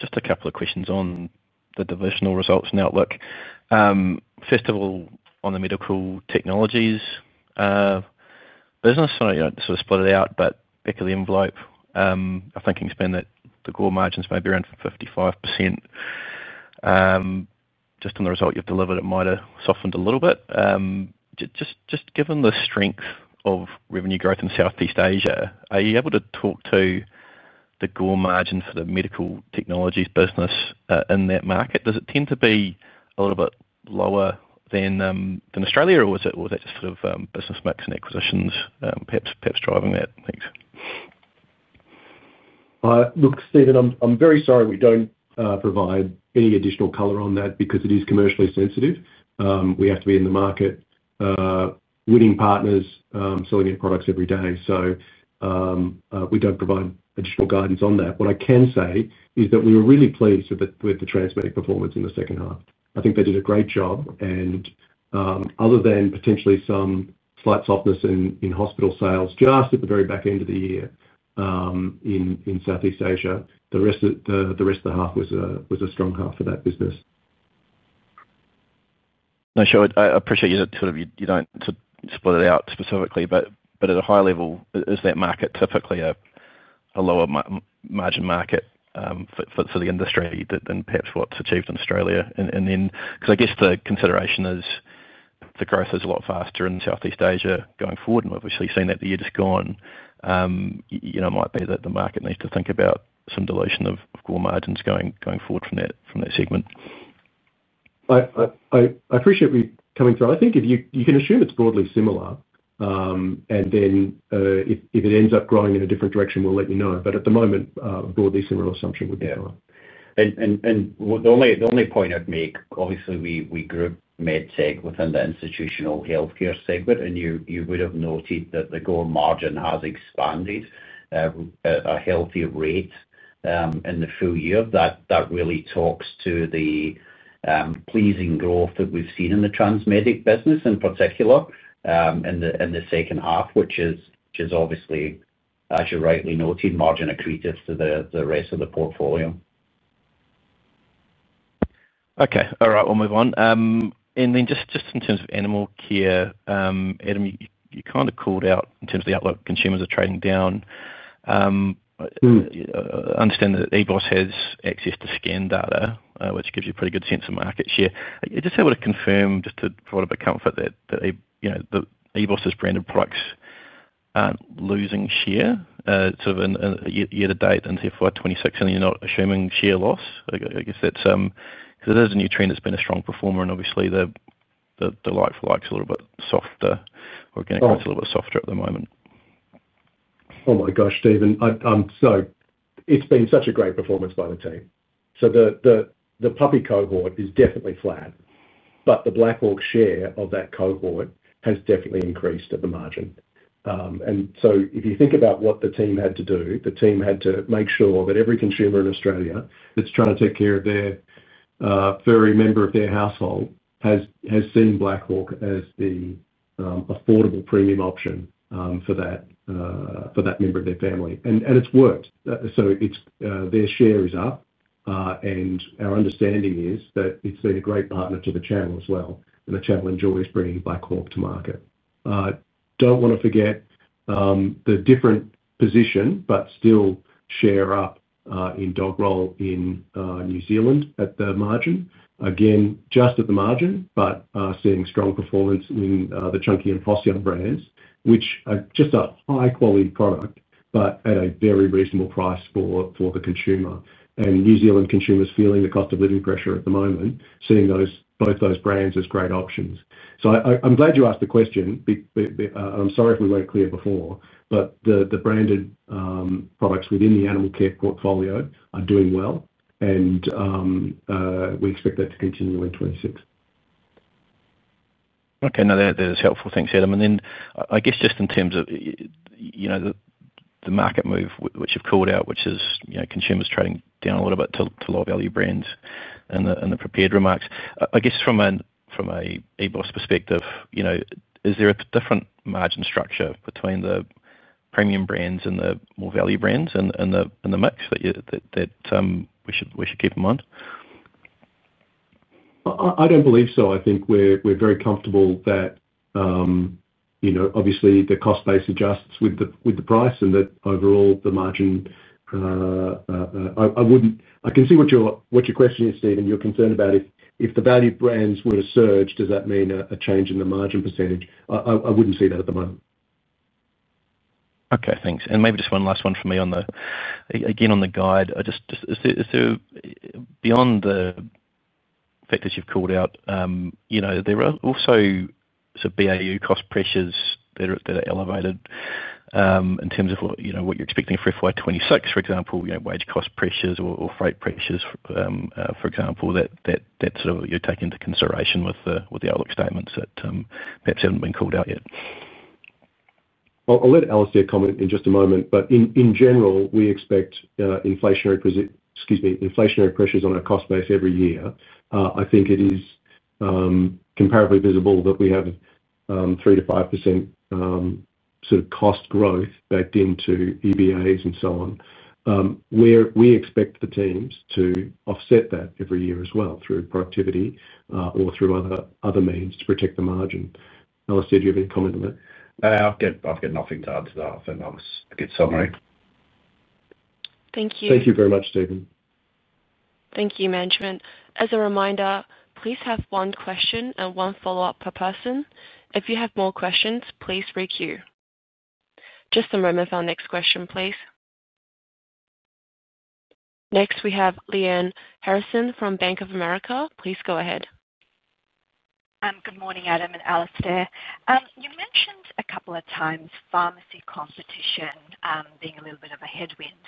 Just a couple of questions on the divisional results and outlook. First of all, on the medical technologies business. You sort of split it out, but back of the envelope I think you can spend the GOR margins may be around 55%. Just on the result you've delivered, it might have softened a little bit. Just given the strength of revenue growth in Southeast Asia, are you able to talk to the GOR margin for the medical technologies business in that market? Does it tend to be a little? Bit lower than Australia, or was it just sort of business mix and acquisitions perhaps driving that? Look, Stephen, I'm very sorry, we don't provide any additional color on that because it is commercially sensitive. We have to be in the market, winning partners, selling new products every day. We don't provide additional guidance on that. What I can say is that we were really pleased with the Transmedic performance in the second half. I think they did a great job. Other than potentially some slight softness in hospital sales just at the very back end of the year in Southeast Asia, the rest of the half was a strong half for that business. I appreciate you don't split it out specifically, but at a high level, is that market typically a lower margin market for the industry than perhaps what's achieved in Australia? Because I guess the consideration is the growth is a lot faster in Southeast Asia going forward, and obviously seeing that the year just gone, it might be that the market needs to think about some dilution of core margins going forward from that segment. I appreciate you coming through. I think you can assume it's broadly similar, and if it ends up growing in a different direction, we'll let you know. At the moment, broadly similar assumption would be high. The only point I'd make, obviously we group Med Tech within the institutional healthcare segment, and you would have noted that the gross margin has expanded at a healthy rate in the full year. That really talks to the pleasing growth that we've seen in the Transmedic business in particular in the second half, which is obviously, as you rightly noted, margin accretive to the rest of the portfolio. Okay, all right, we'll move on. In terms of animal care, Adam, you kind of called out in terms of the outlook consumers are trading down. Understand that EBOS has access to scan data, which gives you a pretty good sense of market share. You're just able to confirm, just to provide a bit of comfort that EBOS branded products aren't losing share sort of year to date in FY 2026 and you're not assuming share loss. I guess that's because it is a new trend that's been a strong performer and obviously the like-for-likes are a little bit softer, organics are a little bit softer at the moment. Oh my gosh, Stephen, it's been such a great performance by the team. The puppy cohort is definitely flat, but the Black Hawk share of that cohort has definitely increased at the margin. If you think about what the team had to do, the team had to make sure that every consumer in Australia that's trying to take care of their furry member of their household has seen Black Hawk as the affordable premium option for that member of their family. It's worked. Their share is up. Our understanding is that it's been a great partner to the channel as well, and the channel enjoys bringing Black Hawk to market. I don't want to forget the different position, but still share up in dog roll in New Zealand at the margin, again, just at the margin, but seeing strong performance in the Chunky and Possyum brands, which are just a high quality product but at a very reasonable price for the consumer. New Zealand consumers feeling the cost of living pressure at the moment, seeing both those brands as great options. I'm glad you asked the question. I'm sorry if we weren't clear before, but the branded products within the animal care portfolio are doing well and we expect that to continue in 2026. Okay, that is helpful. Thanks, Adam. I guess just in terms of the market move which you have called out, which is consumers trading down a little bit to lower value brands in the prepared remarks. I guess from an EBOS perspective, is there a different margin structure between the premium brands and the more value brands in the mix that we should keep in mind? I don't believe so. I think we're very comfortable that, you know, obviously the cost base adjusts with the price and that overall the margin. I can see what your question is, Steve, and you're concerned about if the value brands were to surge, does that mean a change in the margin percentage? I wouldn't say that at the moment. Okay, thanks. Maybe just one last one for me again on the guide. Is there, beyond the factors you've called out, are there also BAU cost pressures that are elevated in terms of what you're expecting for FY 2026, for example, wage cost pressures or freight pressures, for example, that you take into consideration with the outlook statements that perhaps haven't been called out yet. I'll let Alistair comment in just a moment. In general, we expect inflationary pressures on our cost base every year. I think it is comparably visible that we have 3%-5% sort of cost growth baked into EBOS and so on. We expect the teams to offset that every year as well through productivity or through other means to protect the margin. Alistair, do you have any comment on that? I've got nothing to add to that. I think that was a good summary. Thank you. Thank you very much, Stephen. Thank you, management. As a reminder, please have one question and one follow-up per person. If you have more questions, please requeue. Just a moment for our next question, please. Next, we have Lyanne Harrison from Bank of America. Please go ahead. Good morning, Adam and Alistair. You mentioned a couple of times pharmacy constitution being a little bit of a headwind.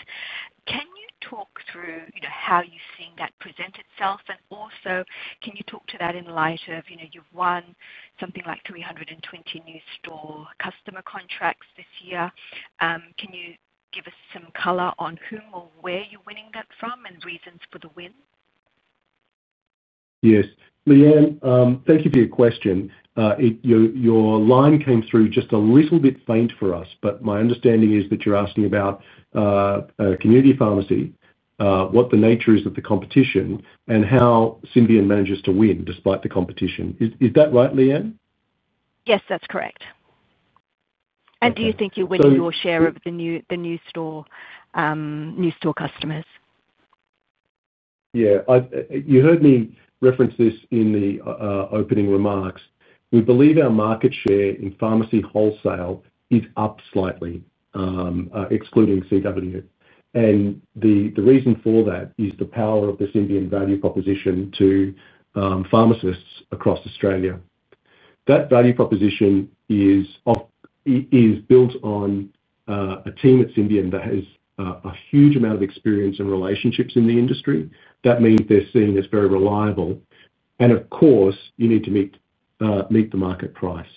Can you talk through how you've seen that present itself, and also can you talk to that in light of you've won something like 320 new store customer contracts this year? Can you give us some color on whom or where you're winning that from and reasons for the win? Yes, Lyanne, thank you for your question. Your line came through just a little bit faint for us, but my understanding is that you're asking about Community Pharmacy, what the nature is of the competition, and how Symbion manages to win despite the competition. Is that right, Lyanne? Yes, that's correct. Do you think you're winning your share of the new store customers? Yeah, you heard me reference this in the opening remarks. We believe our market share in pharmacy wholesale is up slightly, excluding CWA. The reason for that is the power of this enduring value proposition to pharmacists across Australia. That value proposition is built on a team at Symbion that has a huge amount of experience and relationships in the industry. That means they're seen as very reliable. Of course, you need to meet the market price.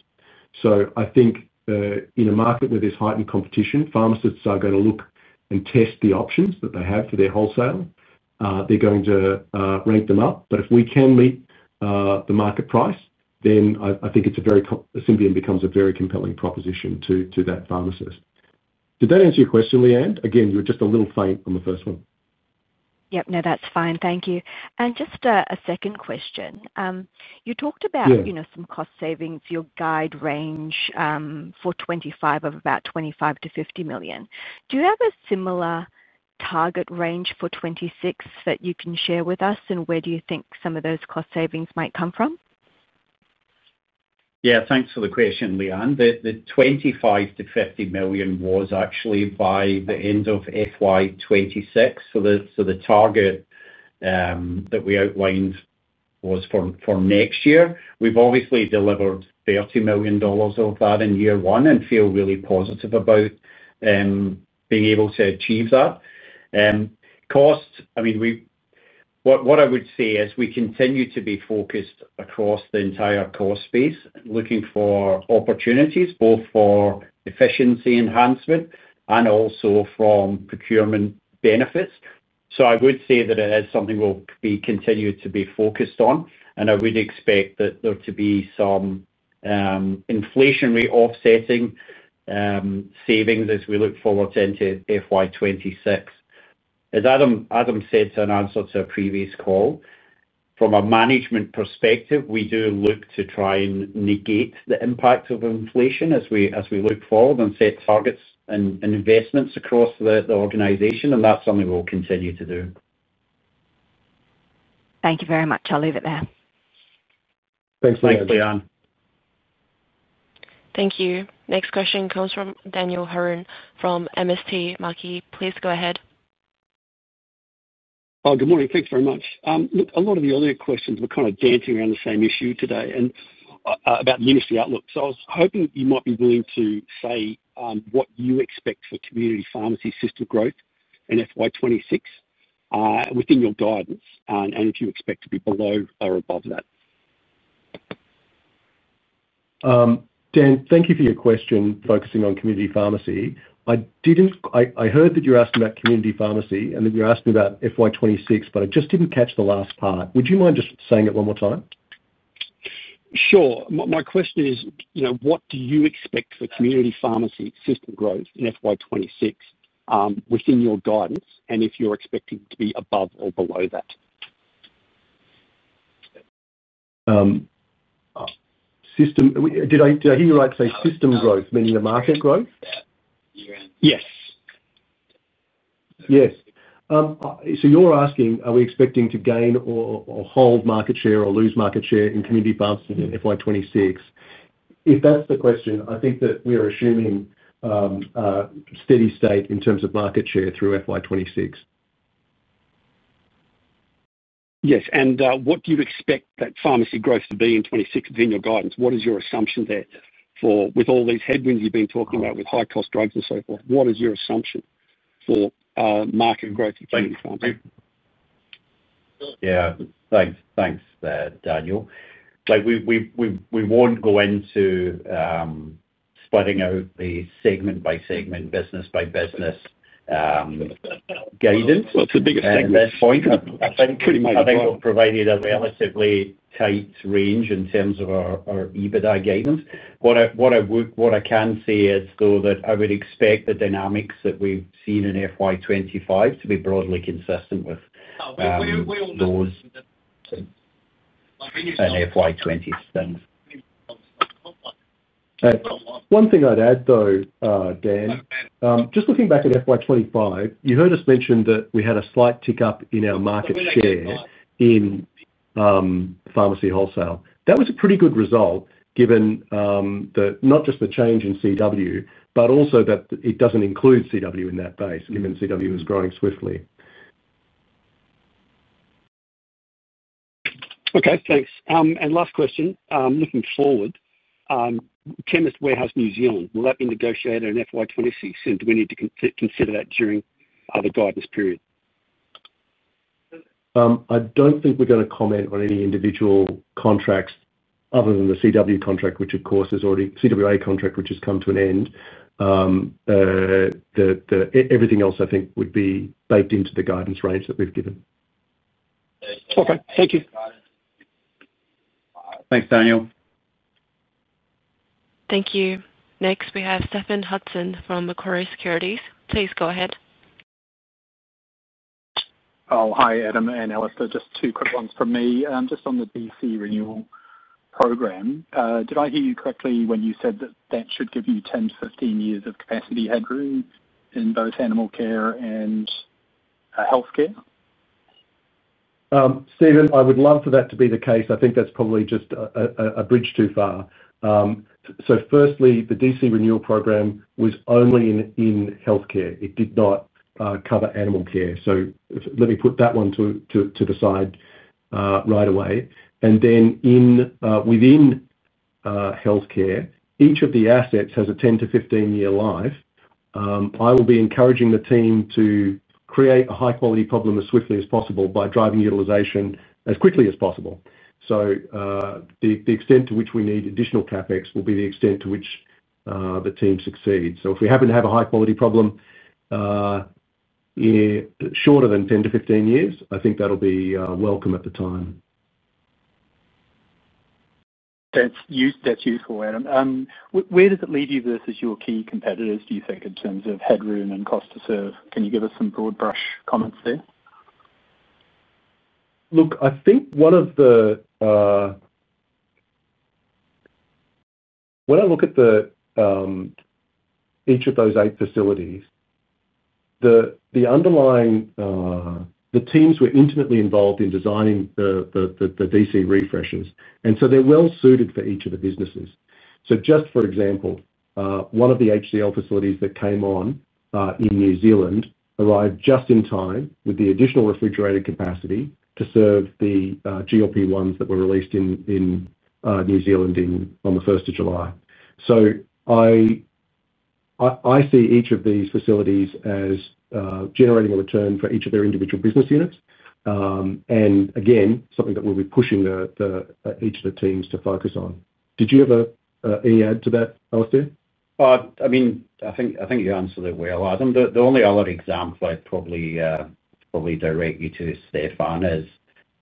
I think in a market where there's heightened competition, pharmacists are going to look and test the options that they have for their wholesale. They're going to rank them up. If we can meet the market price, then I think Symbion becomes a very compelling proposition to that pharmacist. Did that answer your question, Lyanne? Again, you were just a little faint on the first one. Yep. No, that's fine. Thank you. Just a second question. You talked about some cost savings. Your guide range for 2025 of about 25 million-50 million. Do you have a similar target range for 2026 that you can share with us? Where do you think some of those cost savings might come from? Yeah, thanks for the question, Lyanne. The 25 million-50 million was actually by the end of FY 2026. The target that we outlined was for next year. We've obviously delivered 30 million dollars of that in year one and feel really positive about being able to achieve that cost. What I would say is we continue to be focused across the entire cost space looking for opportunities both for efficiency enhancement and also from procurement benefits. I would say that it is something we'll continue to be focused on. I would expect there to be some inflationary offsetting savings as we look forward into FY 2026. As Adam said in answer to a previous call, from a management perspective, we do look to try and negate the impact of inflation as we look forward and set targets and investments across the organization. That's something we'll continue to do. Thank you very much. I'll leave it there. Thanks, Lyanne. Thank you. Next question comes from Daniel Hurren from MST Marquee, please go ahead. Good morning. Thanks very much. Look, a lot of the earlier questions. We're kind of dancing around the same issue today about the industry outlook. I was hoping you might be willing to say what you expect for community pharmacy system growth in FY 2026 within your guidance and if you expect to be below or above that. Dan, thank you for your question focusing on community pharmacy. I heard that you're asking about community pharmacy and then you're asking about FY 2026, but I just didn't catch the last part. Would you mind just saying it one more time? Sure. My question is, you know, what do you expect for community pharmacy system growth in FY 2026 within your guidance, and if you're expecting to be above or below that? System, did I hear you right, say system growth, meaning the market growth? Yes. Yes. You're asking, are we expecting to gain or hold market share or lose market share in Community Funds in FY 2026? If that's the question, I think that we are assuming that steady state in terms of market share through FY 2026. What do you expect that pharmacy growth to be in 2026 within your guidance. What is your assumption there for, with all these headwinds you've been talking about, with high cost drugs and so forth? What is your assumption for market growth to be? Yeah, thanks. Thanks, Daniel. We won't go into splitting out the segment by segment, business by business guidance. What's the biggest segment at this point? I think pretty much. I think we've provided a relatively tight range in terms of our EBITDA guidance. What I can say is, though, that I would expect the dynamics that we've seen in FY 2025 to be broadly consistent with laws and [FY 2026]. One thing I'd add though, Dan, just looking back at FY 2025, you heard us mention that we had a slight tick up in our market share in pharmacy wholesale. That was a pretty good result given that not just the change in CW, but also that it doesn't include CW in that base, given CW is growing swiftly. Okay, thanks. Last question, looking forward, Chemist Warehouse New Zealand. Will that be negotiated in FY 2026 and do we need to consider that during the guidance period? I don't think we're going to comment on any individual contracts other than the CWA contract, which of course is already, the CWA contract, which has come to an end. Everything else I think would be baked into the guidance range that we've given. Okay, thank you. Thanks, Daniel. Thank you. Next we have Stephen Hudson from Macquarie Securities. Please go ahead. Oh, hi, Adam and Alistair. Just two quick ones from me just on the DC Renewal program. Did I hear you correctly when you said that that should give you 10-15 years of capacity headroom in both animal care and healthcare? Stephen, I would love for that to be the case. I think that's probably just a bridge too far. Firstly, the DC Renewal program was only in healthcare, it did not cover animal care, so let me put that one to the side right away. Within healthcare, each of the assets has a 10-15 year life. I will be encouraging the team to create a high quality problem as swiftly as possible by driving utilization as quickly as possible. The extent to which we need additional CapEx will be the extent to which the team succeeds. If we happen to have a high quality problem shorter than 10-15 years, I think that'll be welcome at the time. That's useful, Adam. Where does it lead you versus your key competitors? Do you think in terms of headroom? Could you give us some broad brush comments on cost to serve? Look, I think one of the, when I look at each of those eight facilities, the underlying teams were intimately involved in designing the DC refreshes, and so they're well suited for each of the businesses. Just for example, one of the HCL facilities that came on in New Zealand arrived just in time with the additional refrigerated capacity to serve the GLP-1s that were released in New Zealand on the 1st of July. I see each of these facilities as generating a return for each of their individual business units, and again, something that we'll be pushing each of the teams to focus on. Did you have any add to that, Alistair? I mean I think you answered it well, Adam. The only other example I'd probably direct you to, Stephen, is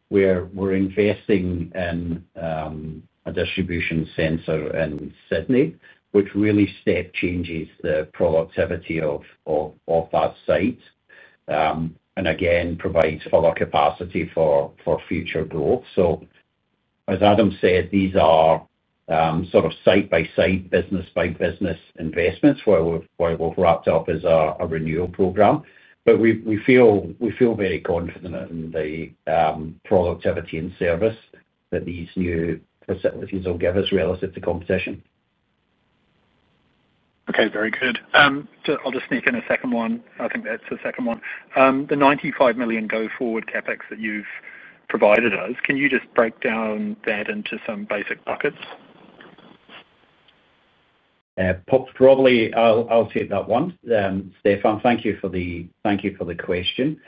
we're investing in a distribution center in Sydney, which really step changes the productivity of that site and again provides other capacity for future growth. As Adam said, these are sort of site by site, business by business investments, while we've wrapped up as a renewal program, but we feel very confident in the productivity and service that these new facilities will give us relative to competition. Okay, very good. I'll just sneak in a second one. I think that's the second one, the 95 million go-forward CapEx that you've provided us. Can you just break down that into some basic buckets? Probably I'll take that one, Stephen, thank you for the question.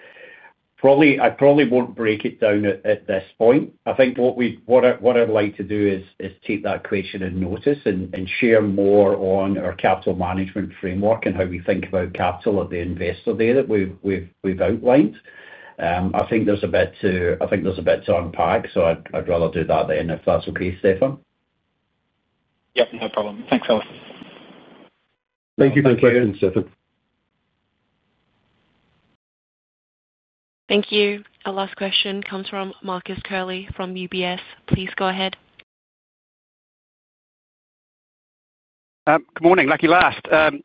I probably won't break it down at this point. I think what I'd like to do is take that question on notice and share more on our capital management framework and how we think about capital at the investor day that we've outlined. I think there's a bit to unpack, so I'd rather do that then, if that's okay, Stephen? Yep, no problem. Thanks, Alis. Thank you. Thank you again, Stephen. Thank you. Our last question comes from Marcus Curley from UBS. Please go ahead. Good morning. Lucky last. Can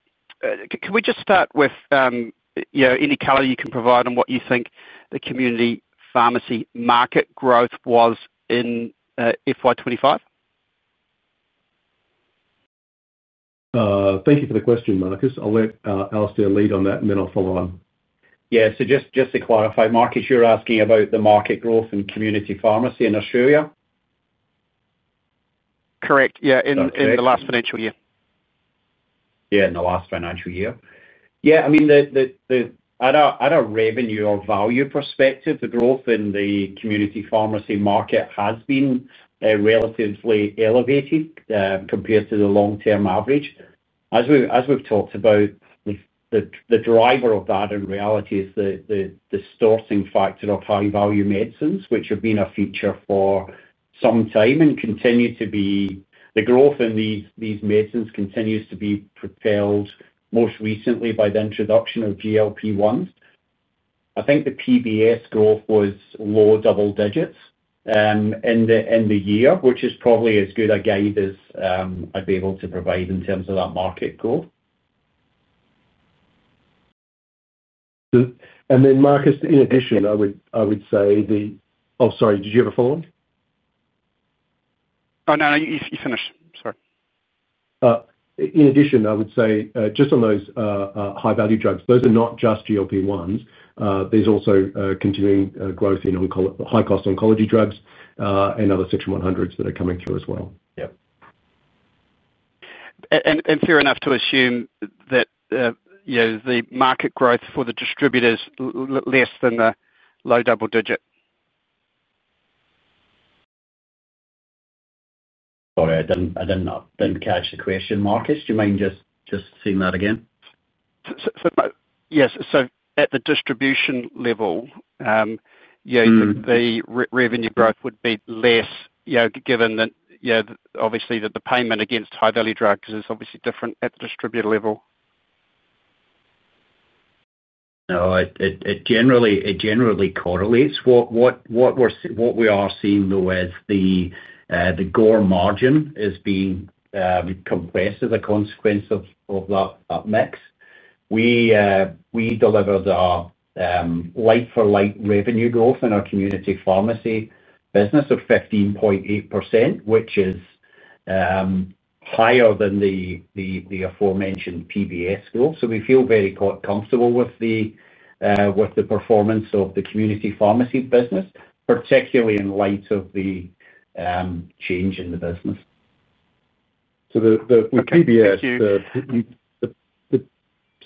we just start with any color you can provide on what you think the community pharmacy market growth was in FY 2025? Thank you for the question, Marcus. I'll let Alistair lead on that, and then I'll follow on. Yeah, just to clarify Marcus, you're asking about the market growth in community pharmacy in Australia. Correct, yeah. In the last financial year. In the last financial year. I mean at a revenue or value perspective, the growth in the community pharmacy market has been relatively elevated compared to the long term average as we've talked about. The driver of that in reality is the distorting factor of high value medicines, which have been a feature for some time and continue to be. The growth in these medicines continues to be propelled most recently by the introduction of GLP-1. I think the PBS growth was low double digits in the year, which is probably as good a guide as I'd be able to provide in terms of that market goal. Marcus, in addition I would say the—oh, sorry, did you have a follow-on? Oh no, you finished. Sorry. In addition, I would say just on those high value drugs, those are not just GLP-1s. There's also continuing growth in high cost oncology drugs and other Section 100s that are coming through as well. Yeah. Fair enough to assume that the market growth for the distributors is less than the low double digit? Sorry, I didn't catch the question. Marcus, do you mind just seeing that again? Yes, at the distribution level the revenue growth would be less. Given that obviously the payment against high value drugs is obviously different at the distributor level. No, it generally correlates. What we are seeing though is the GOR margin is being compressed as a consequence of that mix. We delivered like-for-like revenue growth in our community pharmacy business of 15.8% which is higher than the aforementioned PBS [growth]. We feel very comfortable with the performance of the community pharmacy business, particularly in light of the change in the business. With PBS.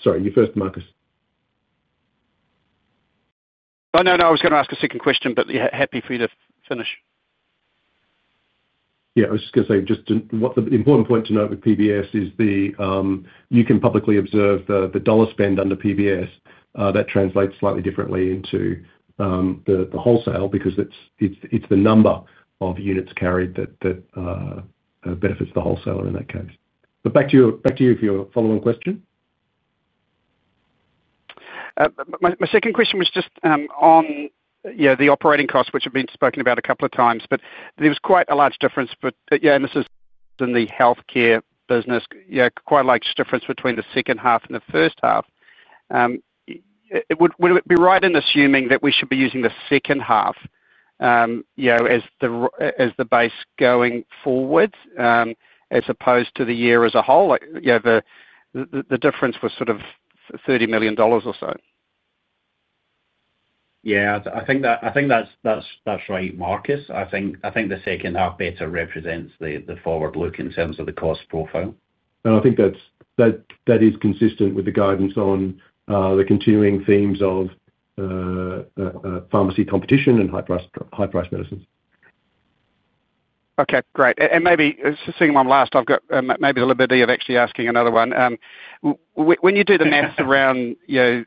Sorry, you first, Marcus. No, no. I was going to ask a second question but happy for you to finish. I was just going to say just the important point to note with PBS is you can publicly observe the dollar spend under PBS. That translates slightly differently into the wholesale because it's the number of units carried that benefits the wholesaler in that case. Back to you for your follow on question. My second question was just on the operating costs, which have been spoken about a couple of times. There was quite a large difference. This is in the healthcare business, quite a large difference between the second half and the first half. Would it be right in assuming that we should be using the second half as the base going forward as opposed to the year as a whole? The difference was sort of 30 million dollars or so. Yeah, I think that, I think that's right, Marcus. I think the second half better represents the forward look in terms of the cost profile. I think that is consistent with the guidance on the continuing themes of pharmacy competition and high priced medicines. Okay, great. Maybe seeing one last. I've got maybe the liberty of actually asking another one. When you do the maths around the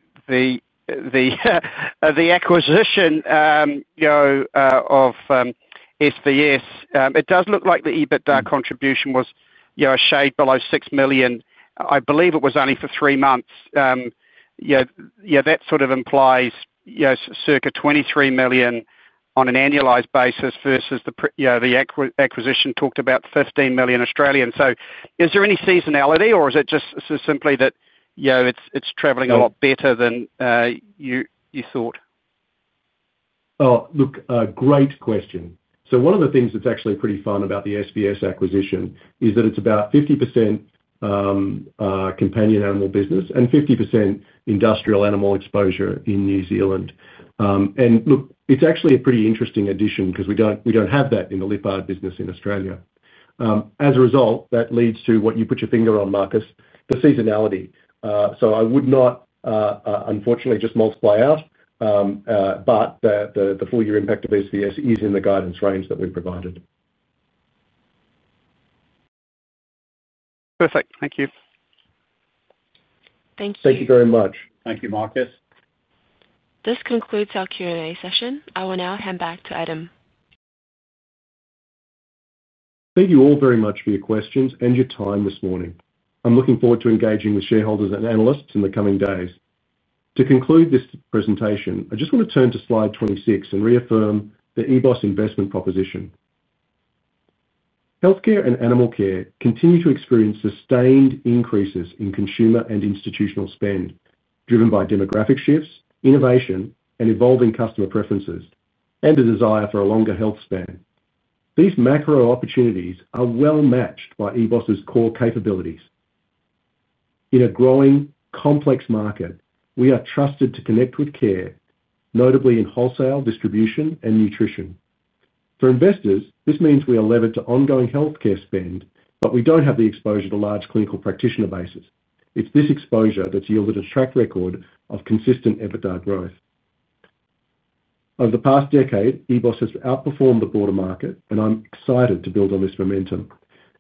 acquisition of SVS, it does look like the EBITDA contribution was a shade below 6 million. I believe it was only for three months. That sort of implies, yes, circa 23 million on an annualized basis versus the acquisition talked about 15 million. Is there any seasonality or is it just simply that it's traveling a lot better than you thought? Oh, great question. One of the things that's actually pretty fun about the SVS acquisition is that it's about 50% companion animal business and 50% industrial animal exposure in New Zealand. It's actually a pretty interesting addition because we don't have that in the Lyppard business in Australia. As a result, that leads to what you put your finger on, Marcus, the seasonality. I would not unfortunately just multiply out, but the full year impact of SVS is in the guidance range that we provided. Perfect. Thank you. Thank you. Thank you very much. Thank you, Marcus. This concludes our Q&A session. I will now hand back to Adam. Thank you all very much for your questions and your time this morning. I'm looking forward to engaging with shareholders and analysts in the coming days. To conclude this presentation, I just want to turn to slide 26 and reaffirm the EBOS investment proposition. Healthcare and animal care continue to experience sustained increases in consumer and institutional spend, driven by demographic shifts, innovation, and evolving customer preferences, and a desire for a longer health span. These macro opportunities are well matched by EBOS' core capabilities. In a growing, complex market, we are trusted to connect with care, notably in wholesale distribution and nutrition. For investors, this means we are levered to ongoing healthcare spend, but we don't have the exposure to large clinical practitioner bases. It's this exposure that's yielded a track record of consistent EBITDA growth. Over the past decade, EBOS has outperformed the broader market, and I'm excited to build on this momentum.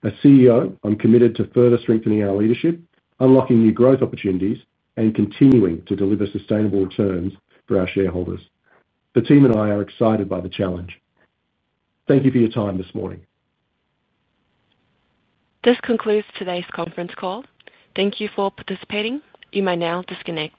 As CEO, I'm committed to further strengthening our leadership, unlocking new growth opportunities, and continuing to deliver sustainable returns for our shareholders. The team and I are excited by the challenge. Thank you for your time this morning. This concludes today's conference call. Thank you for participating. You may now disconnect.